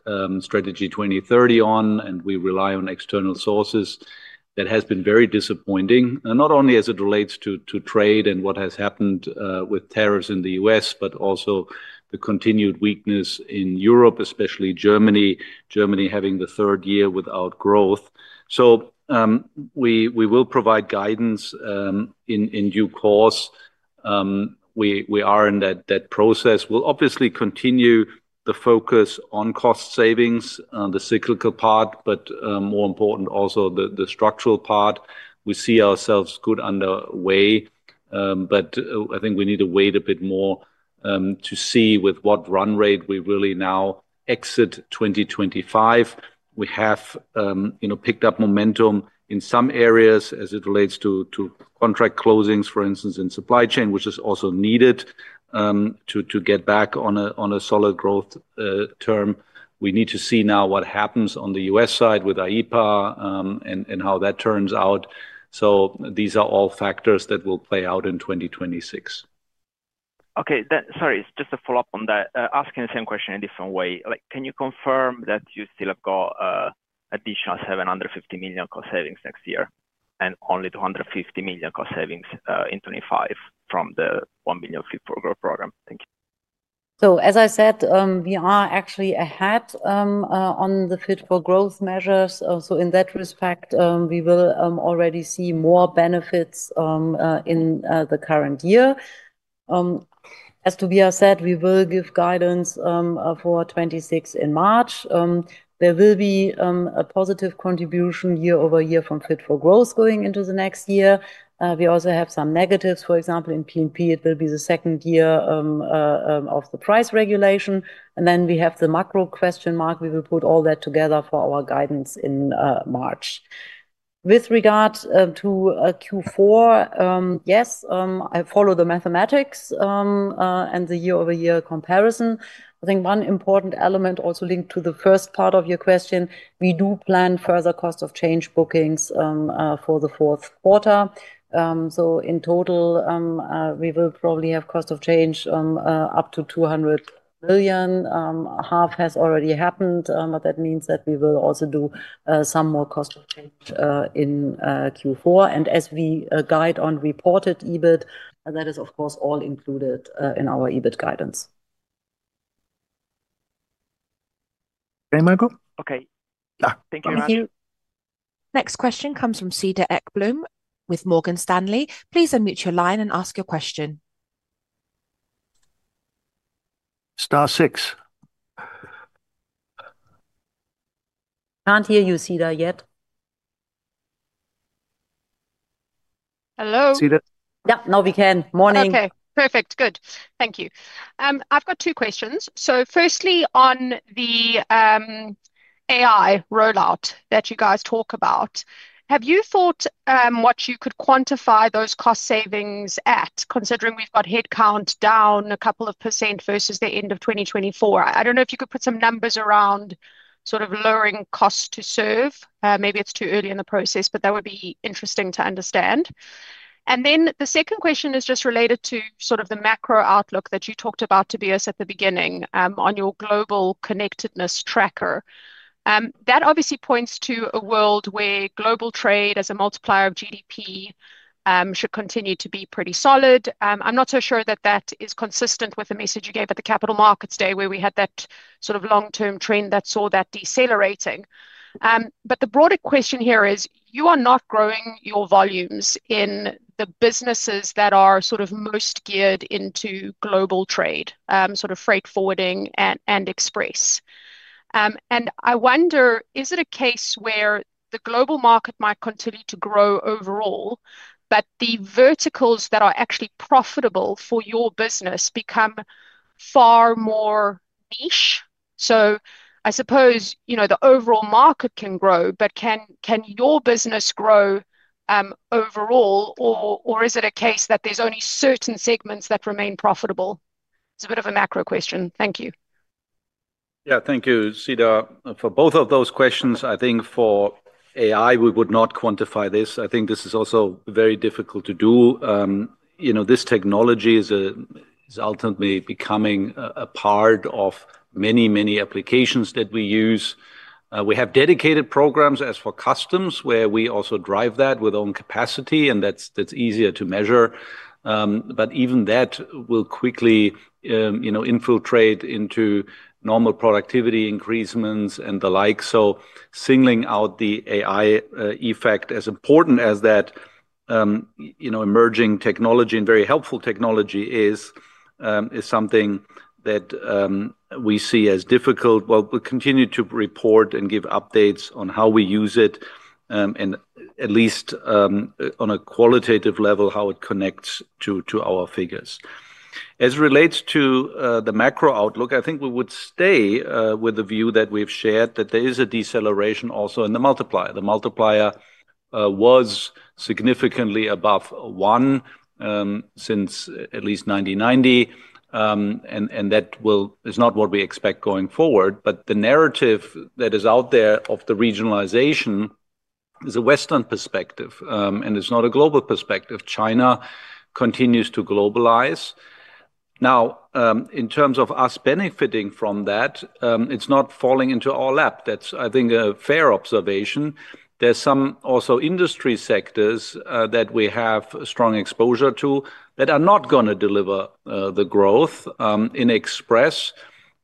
Strategy 2030 on and we rely on external sources, that has been very disappointing. Not only as it relates to trade and what has happened with tariffs in the U.S., but also the continued weakness in Europe, especially Germany, Germany having the third year without growth. We will provide guidance in due course. We are in that process. We will obviously continue the focus on cost savings, the cyclical part, but more important also the structural part. We see ourselves good underway. I think we need to wait a bit more to see with what run rate we really now exit 2025. We have picked up momentum in some areas as it relates to contract closings, for instance, in supply chain, which is also needed to get back on a solid growth term. We need to see now what happens on the U.S. side with IEEPA and how that turns out. These are all factors that will play out in 2026. Okay. Sorry, just a follow-up on that. Asking the same question in a different way. Can you confirm that you still have got additional 750 million cost savings next year and only 250 million cost savings in 2025 from the 1 billion Fit for Growth program? Thank you. As I said, we are actually ahead on the Fit for Growth measures. In that respect, we will already see more benefits in the current year. As Tobias said, we will give guidance for 2026 in March. There will be a positive contribution year-over-year from Fit for Growth going into the next year. We also have some negatives. For example, in P&P, it will be the second year of the price regulation. We have the macro question mark. We will put all that together for our guidance in March. With regard to Q4, yes, I follow the mathematics and the year-over-year comparison. I think one important element also linked to the first part of your question, we do plan further cost of change bookings for the fourth quarter. In total, we will probably have cost of change up to 200 million. Half has already happened, but that means that we will also do some more cost of change in Q4. As we guide on reported EBIT, that is, of course, all included in our EBIT guidance. Okay, Marco? Okay. Yeah. Thank you very much. Thank you. Next question comes from Cedar Ekblom with Morgan Stanley. Please unmute your line and ask your question. Star six. Can't hear you, Cedar, yet. Hello? Cedar? Yep, now we can. Morning. Okay. Perfect. Good. Thank you. I've got two questions. Firstly, on the AI rollout that you guys talk about, have you thought what you could quantify those cost savings at, considering we've got headcount down a couple of % versus the end of 2024? I don't know if you could put some numbers around sort of lowering cost to serve. Maybe it's too early in the process, but that would be interesting to understand. The second question is just related to sort of the macro outlook that you talked about, Tobias, at the beginning on your Global Connectedness Tracker. That obviously points to a world where global trade as a multiplier of GDP should continue to be pretty solid. I'm not so sure that that is consistent with the message you gave at the Capital Markets Day where we had that sort of long-term trend that saw that decelerating. The broader question here is, you are not growing your volumes in the businesses that are sort of most geared into global trade, sort of freight forwarding and express. I wonder, is it a case where the global market might continue to grow overall, but the verticals that are actually profitable for your business become. Far more niche? I suppose the overall market can grow, but can your business grow overall, or is it a case that there's only certain segments that remain profitable? It's a bit of a macro question. Thank you. Yeah, thank you, Cedar, for both of those questions. I think for AI, we would not quantify this. I think this is also very difficult to do. This technology is ultimately becoming a part of many, many applications that we use. We have dedicated programs as for customs where we also drive that with own capacity, and that's easier to measure. Even that will quickly infiltrate into normal productivity increasements and the like. Singling out the AI effect, as important as that emerging technology and very helpful technology is, is something that we see as difficult. We continue to report and give updates on how we use it. At least on a qualitative level, how it connects to our figures. As it relates to the macro outlook, I think we would stay with the view that we've shared that there is a deceleration also in the multiplier. The multiplier was significantly above one since at least 1990, and that is not what we expect going forward. The narrative that is out there of the regionalization is a Western perspective, and it's not a global perspective. China continues to globalize. Now, in terms of us benefiting from that, it's not falling into our lap. That's, I think, a fair observation. There are also some industry sectors that we have strong exposure to that are not going to deliver the growth in express.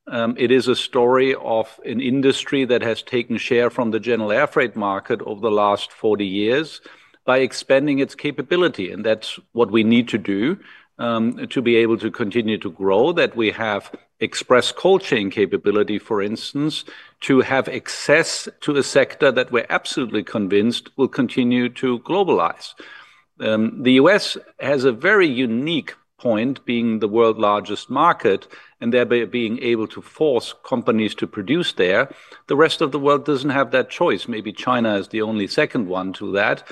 It is a story of an industry that has taken share from the general airframe market over the last 40 years by expanding its capability. That is what we need to do. To be able to continue to grow, that we have express cold chain capability, for instance, to have access to a sector that we are absolutely convinced will continue to globalize. The U.S. has a very unique point being the world's largest market and thereby being able to force companies to produce there. The rest of the world does not have that choice. Maybe China is the only second one to that.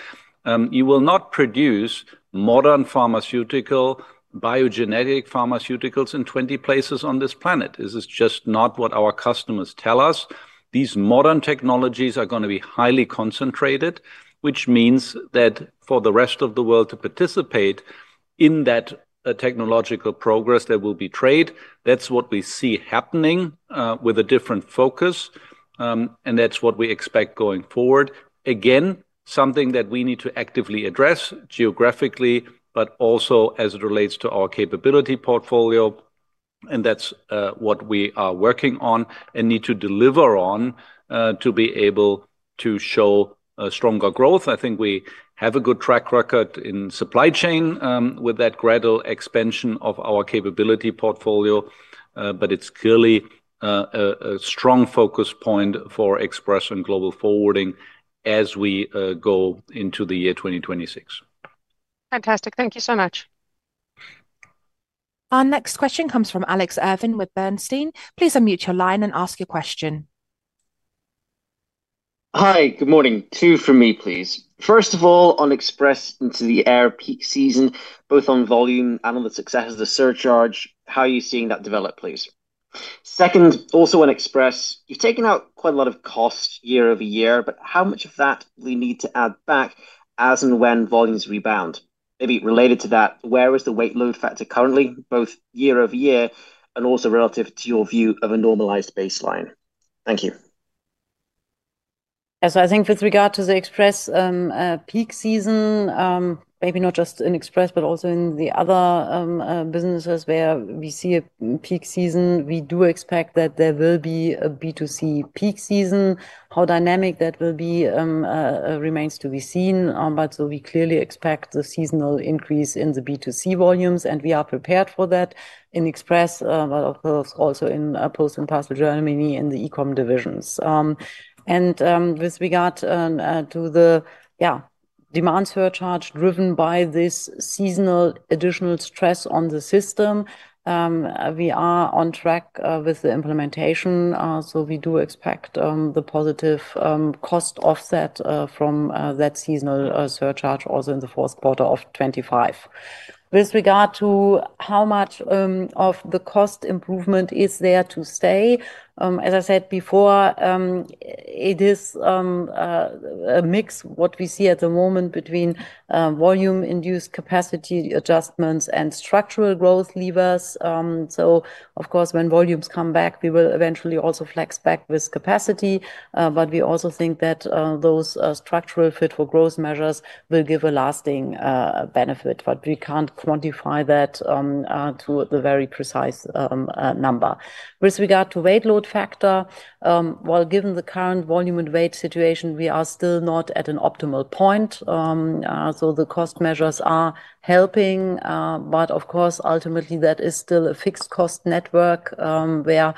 You will not produce modern pharmaceutical, biogenetic pharmaceuticals in 20 places on this planet. This is just not what our customers tell us. These modern technologies are going to be highly concentrated, which means that for the rest of the world to participate in that technological progress, there will be trade. That is what we see happening with a different focus. That is what we expect going forward. Again, something that we need to actively address geographically, but also as it relates to our capability portfolio. That is what we are working on and need to deliver on to be able to show stronger growth. I think we have a good track record in supply chain with that gradual expansion of our capability portfolio. It is clearly a strong focus point for Express and Global Forwarding as we go into the year 2026. Fantastic. Thank you so much. Our next question comes from Alex Irving with Bernstein. Please unmute your line and ask your question. Hi. Good morning. Two from me, please. First of all, on Express into the air peak season, both on volume and on the success of the surcharge, how are you seeing that develop, please? Second, also on express, you've taken out quite a lot of cost year-over-year, but how much of that do we need to add back as and when volumes rebound? Maybe related to that, where is the weight load factor currently, both year-over-year and also relative to your view of a normalized baseline? Thank you. I think with regard to the express peak season, maybe not just in express, but also in the other businesses where we see a peak season, we do expect that there will be a B2C peak season. How dynamic that will be remains to be seen. We clearly expect the seasonal increase in the B2C volumes, and we are prepared for that in express, but of course also in Post & Parcel Germany in the e-comm divisions. With regard to the. Demand surcharge driven by this seasonal additional stress on the system, we are on track with the implementation. We do expect the positive cost offset from that seasonal surcharge also in the fourth quarter of 2025. With regard to how much of the cost improvement is there to stay, as I said before, it is a mix, what we see at the moment, between volume-induced capacity adjustments and structural growth levers. Of course, when volumes come back, we will eventually also flex back with capacity. We also think that those structural Fit for Growth measures will give a lasting benefit, but we cannot quantify that to the very precise number. With regard to weight load factor, while given the current volume and weight situation, we are still not at an optimal point. The cost measures are helping. Of course, ultimately, that is still a fixed cost network. Where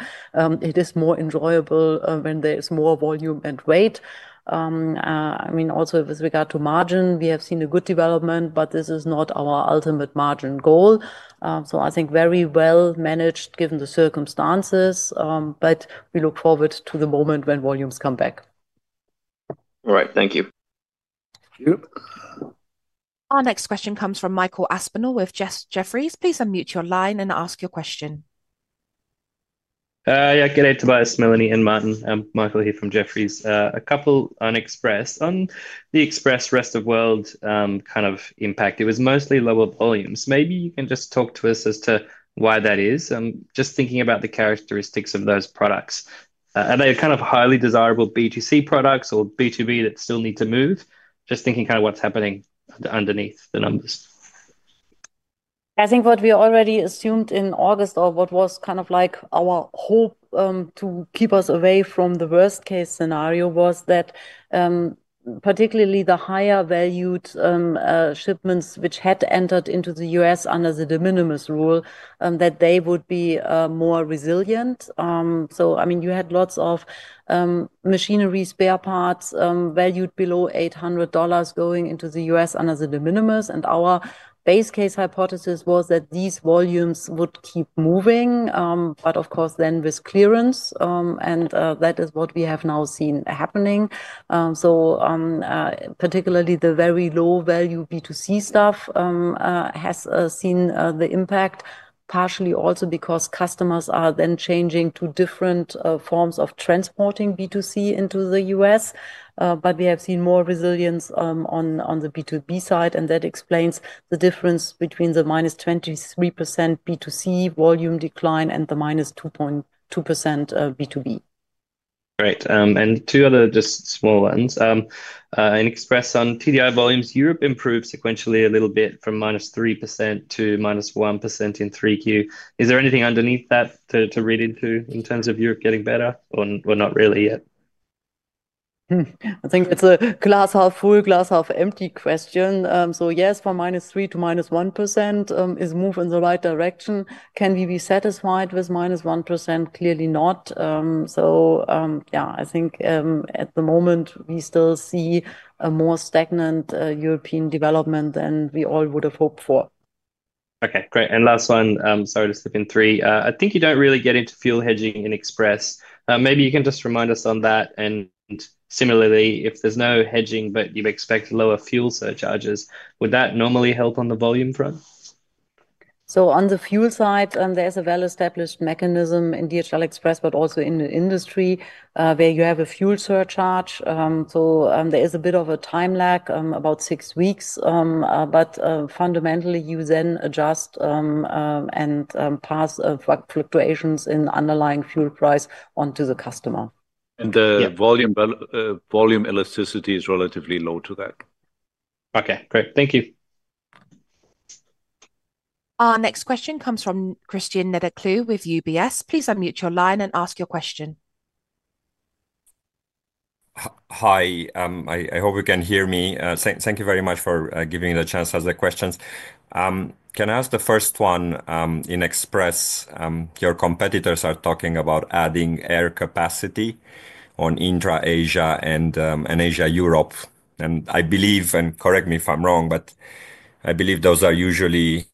it is more enjoyable when there is more volume and weight. I mean, also with regard to margin, we have seen a good development, but this is not our ultimate margin goal. I think very well managed given the circumstances, but we look forward to the moment when volumes come back. All right. Thank you. Thank you. Our next question comes from Michael Aspinall with Jefferies. Please unmute your line and ask your question. Yeah. G'day, Tobias, Melanie, and Martin. Michael here from Jefferies. A couple on Express. On the Express rest of world kind of impact, it was mostly lower volumes. Maybe you can just talk to us as to why that is. Just thinking about the characteristics of those products. Are they kind of highly desirable B2C products or B2B that still need to move? Just thinking kind of what's happening underneath the numbers. I think what we already assumed in August or what was kind of like our hope to keep us away from the worst-case scenario was that, particularly the higher-valued shipments which had entered into the U.S. under the de minimis rule, that they would be more resilient. I mean, you had lots of machinery, spare parts valued below $800 going into the U.S. under the de minimis. Our base case hypothesis was that these volumes would keep moving. Of course, then with clearance, and that is what we have now seen happening. Particularly the very low-value B2C stuff has seen the impact, partially also because customers are then changing to different forms of transporting B2C into the US. We have seen more resilience on the B2B side, and that explains the difference between the -23% B2C volume decline and the -2.2% B2B. Great. Two other just small ones. In express on TDI volumes, Europe improved sequentially a little bit from -3% to -1% in 3Q. Is there anything underneath that to read into in terms of Europe getting better or not really yet? I think that is a glass half full, glass half empty question. Yes, from -3% to -1% is a move in the right direction. Can we be satisfied with -1%? Clearly not. I think at the moment, we still see a more stagnant European development than we all would have hoped for. Okay. Great. Last one, sorry to slip in three. I think you do not really get into fuel hedging in express. Maybe you can just remind us on that. Similarly, if there is no hedging, but you expect lower fuel surcharges, would that normally help on the volume front? On the fuel side, there is a well-established mechanism in DHL Express, but also in the industry where you have a fuel surcharge. There is a bit of a time lag, about six weeks. Fundamentally, you then adjust and pass fluctuations in underlying fuel price onto the customer. The volume elasticity is relatively low to that. Okay. Great. Thank you. Our next question comes from Cristian Nedelcu with UBS. Please unmute your line and ask your question. Hi. I hope you can hear me. Thank you very much for giving me the chance to ask the questions. Can I ask the first one in Express? Your competitors are talking about adding air capacity on intra-Asia and Asia-Europe. I believe, and correct me if I'm wrong, but I believe those are usually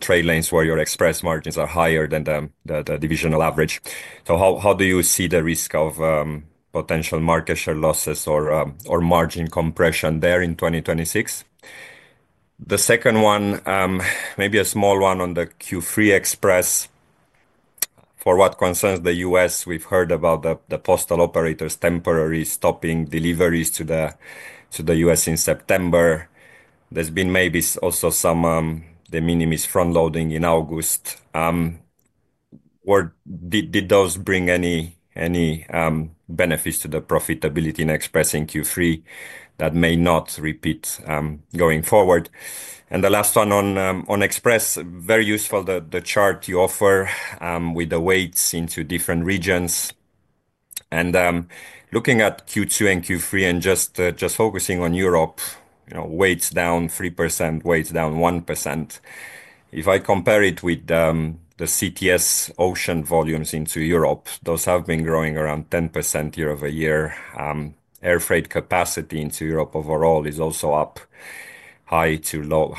trade lanes where your express margins are higher than the divisional average. How do you see the risk of potential market share losses or margin compression there in 2026? The second one, maybe a small one on the Q3 express. For what concerns the U.S., we've heard about the postal operators temporarily stopping deliveries to the U.S. in September. There's been maybe also some de minimis front-loading in August. Did those bring any benefits to the profitability in express in Q3 that may not repeat going forward? The last one on express, very useful, the chart you offer with the weights into different regions. Looking at Q2 and Q3 and just focusing on Europe, weights down 3%, weights down 1%. If I compare it with the CTS ocean volumes into Europe, those have been growing around 10% year-over-year. Air freight capacity into Europe overall is also up. High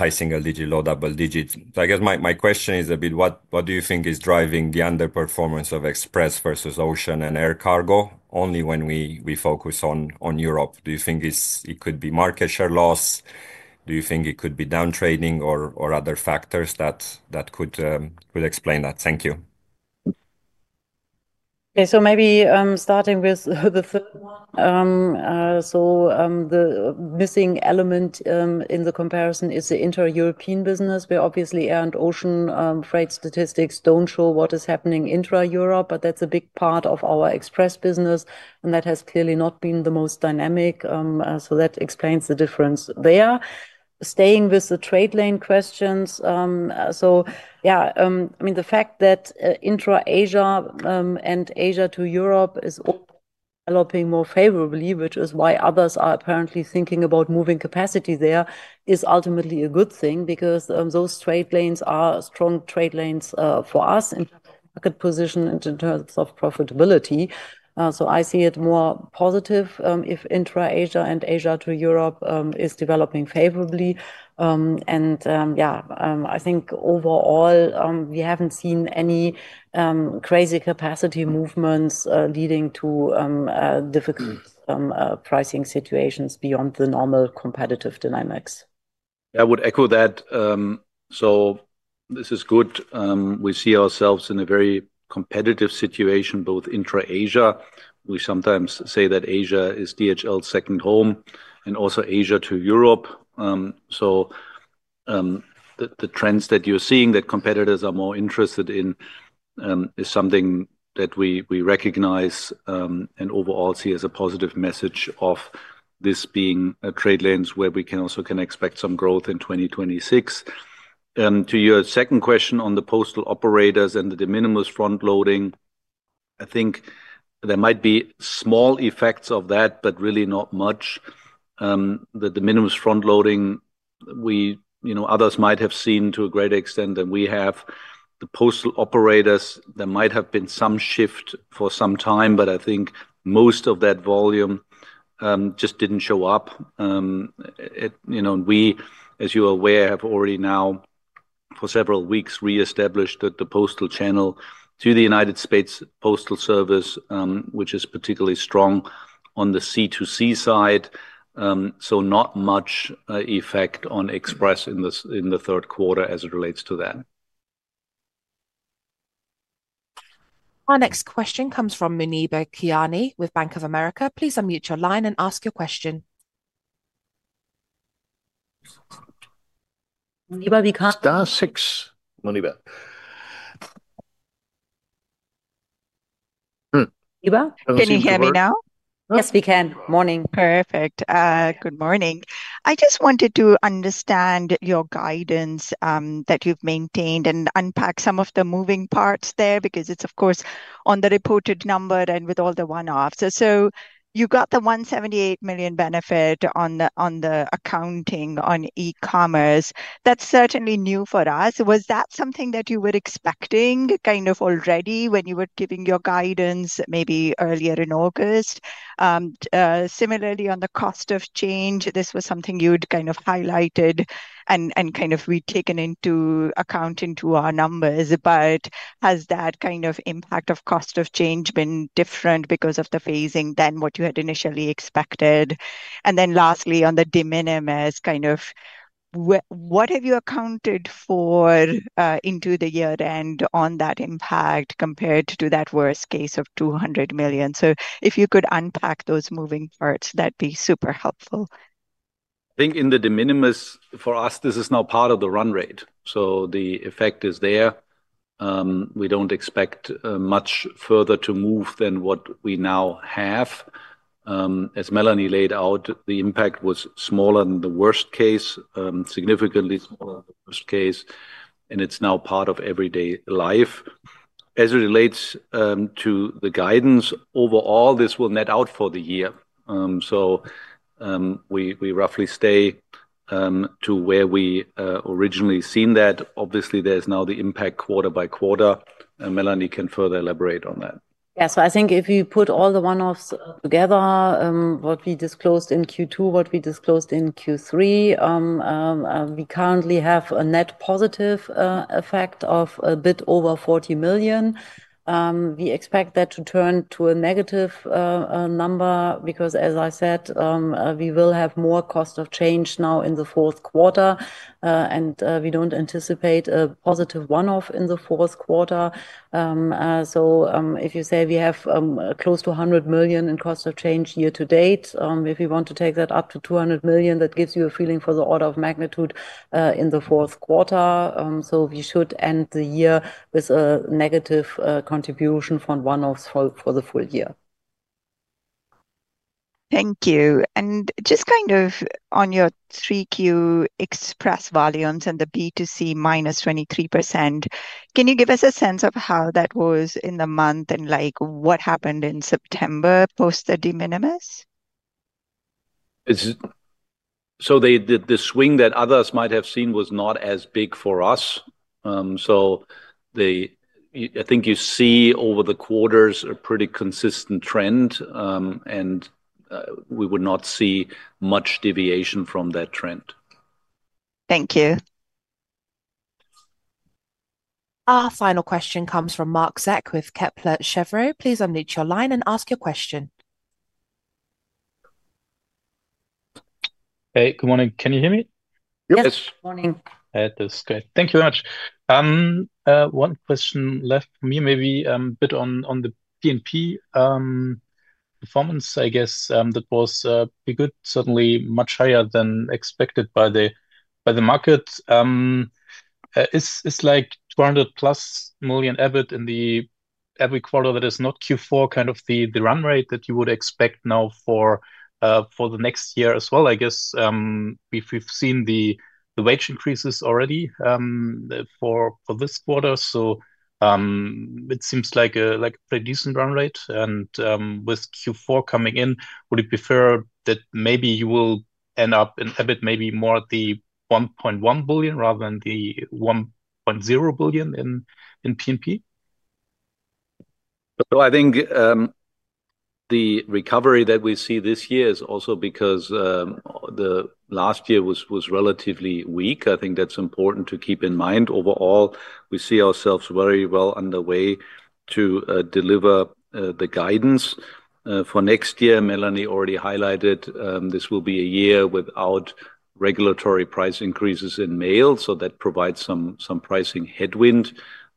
single digit, low double digit. I guess my question is a bit, what do you think is driving the underperformance of express versus ocean and air cargo? Only when we focus on Europe, do you think it could be market share loss? Do you think it could be downtrading or other factors that could explain that? Thank you. Okay. Maybe starting with the third one. The missing element in the comparison is the inter-European business, where obviously our ocean freight statistics do not show what is happening intra-Europe, but that is a big part of our express business, and that has clearly not been the most dynamic. That explains the difference there. Staying with the trade lane questions. Yeah, I mean, the fact that intra-Asia and Asia to Europe is developing more favorably, which is why others are apparently thinking about moving capacity there, is ultimately a good thing because those trade lanes are strong trade lanes for us in terms of market position and in terms of profitability. I see it more positive if intra-Asia and Asia to Europe is developing favorably. Yeah, I think overall, we have not seen any crazy capacity movements leading to difficult pricing situations beyond the normal competitive dynamics. I would echo that. This is good. We see ourselves in a very competitive situation, both intra-Asia. We sometimes say that Asia is DHL's second home and also Asia to Europe. The trends that you are seeing, that competitors are more interested in. Is something that we recognize and overall see as a positive message of. This being a trade lane where we can also expect some growth in 2026. To your second question on the postal operators and the de minimis front-loading, I think there might be small effects of that, but really not much. The de minimis front-loading. Others might have seen to a great extent that we have the postal operators. There might have been some shift for some time, but I think most of that volume just did not show up. We, as you are aware, have already now for several weeks reestablished the postal channel to the United States Postal Service, which is particularly strong on the C2C side. Not much effect on express in the third quarter as it relates to that. Our next question comes from Muneeba Kayani with Bank of America. Please unmute your line and ask your question. Muneeba, we cannot. Star six. Muneeba. Can you hear me now? Yes, we can. Morning. Perfect. Good morning. I just wanted to understand your guidance that you have maintained and unpack some of the moving parts there because it is, of course, on the reported number and with all the one-offs. So you got the 178 million benefit on the accounting on eCommerce. That is certainly new for us. Was that something that you were expecting kind of already when you were giving your guidance maybe earlier in August? Similarly, on the cost of change, this was something you had kind of highlighted and kind of we had taken into account into our numbers. Has that kind of impact of cost of change been different because of the phasing than what you had initially expected? Lastly, on the de minimis, kind of. What have you accounted for into the year-end on that impact compared to that worst case of 200 million? If you could unpack those moving parts, that'd be super helpful. I think in the de minimis, for us, this is now part of the run rate. The effect is there. We don't expect much further to move than what we now have. As Melanie laid out, the impact was smaller than the worst case, significantly smaller than the worst case. It's now part of everyday life. As it relates to the guidance overall, this will net out for the year. We roughly stay to where we originally seen that. Obviously, there's now the impact quarter by quarter. Melanie can further elaborate on that. Yeah. I think if you put all the one-offs together, what we disclosed in Q2, what we disclosed in Q3. We currently have a net positive effect of a bit over 40 million. We expect that to turn to a negative number because, as I said, we will have more cost of change now in the fourth quarter. We do not anticipate a positive one-off in the fourth quarter. If you say we have close to 100 million in cost of change year to date, if you want to take that up to 200 million, that gives you a feeling for the order of magnitude in the fourth quarter. We should end the year with a negative contribution for one-offs for the full year. Thank you. Just kind of on your 3Q express volumes and the B2C -23%, can you give us a sense of how that was in the month and what happened in September post the de minimis? The swing that others might have seen was not as big for us. I think you see over the quarters a pretty consistent trend. We would not see much deviation from that trend. Thank you. Our final question comes from Marc Zeck with Kepler Chevreux. Please unmute your line and ask your question. Hey, good morning. Can you hear me? Yes. Good morning. I heard this. Great. Thank you very much. One question left for me, maybe a bit on the P&P performance. I guess that was pretty good. Certainly much higher than expected by the market. It is like 200 million+ EBIT in every quarter that is not Q4, kind of the run rate that you would expect now for the next year as well. I guess we have seen the wage increases already for this quarter. It seems like a pretty decent run rate. With Q4 coming in, would it be fair that maybe you will end up in EBIT maybe more at 1.1 billion rather than 1.0 billion in P&P? I think the recovery that we see this year is also because the last year was relatively weak. I think that's important to keep in mind. Overall, we see ourselves very well underway to deliver the guidance for next year. Melanie already highlighted this will be a year without regulatory price increases in mail. That provides some pricing headwind.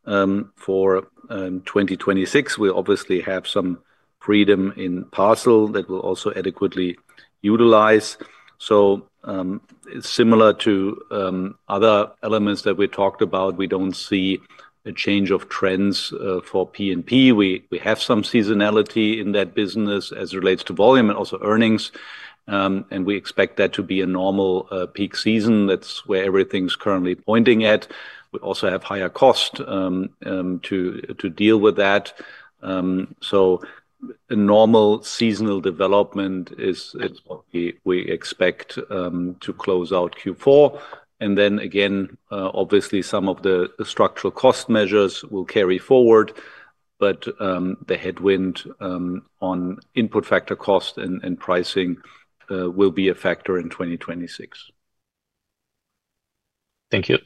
For 2026, we obviously have some freedom in parcel that we'll also adequately utilize. Similar to other elements that we talked about, we do not see a change of trends for P&P. We have some seasonality in that business as it relates to volume and also earnings. We expect that to be a normal peak season. That's where everything's currently pointing at. We also have higher cost to deal with that. A normal seasonal development is what we expect to close out Q4. Then again, obviously, some of the structural cost measures will carry forward. The headwind on input factor cost and pricing will be a factor in 2026. Thank you.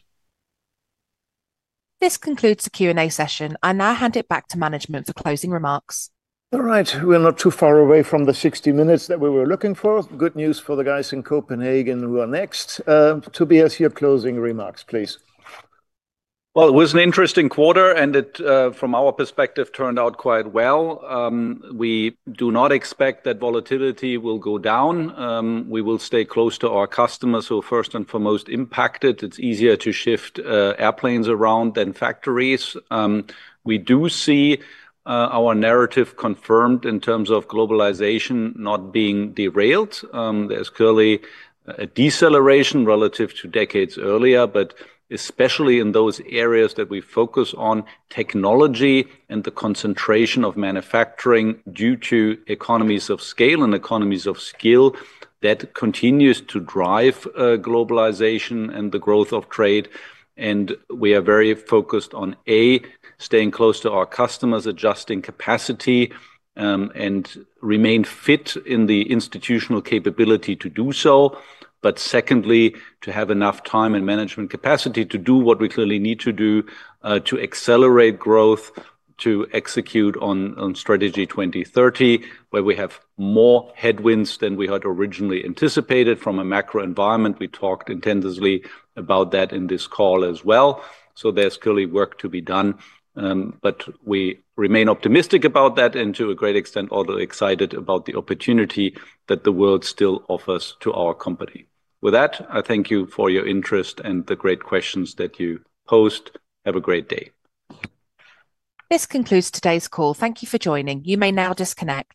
This concludes the Q&A session. I now hand it back to management for closing remarks. All right. We're not too far away from the 60 minutes that we were looking for. Good news for the guys in Copenhagen who are next. Tobias, your closing remarks, please. It was an interesting quarter, and it, from our perspective, turned out quite well. We do not expect that volatility will go down. We will stay close to our customers. First and foremost, impacted, it's easier to shift airplanes around than factories. We do see our narrative confirmed in terms of globalization not being derailed. There is clearly a deceleration relative to decades earlier, but especially in those areas that we focus on, technology and the concentration of manufacturing due to economies of scale and economies of skill, that continues to drive globalization and the growth of trade. We are very focused on, A, staying close to our customers, adjusting capacity, and remain fit in the institutional capability to do so. Secondly, to have enough time and management capacity to do what we clearly need to do to accelerate growth, to execute on Strategy 2030, where we have more headwinds than we had originally anticipated from a macro environment. We talked intensively about that in this call as well. There is clearly work to be done. We remain optimistic about that and to a great extent, although excited about the opportunity that the world still offers to our company. With that, I thank you for your interest and the great questions that you posed. Have a great day. This concludes today's call. Thank you for joining. You may now disconnect.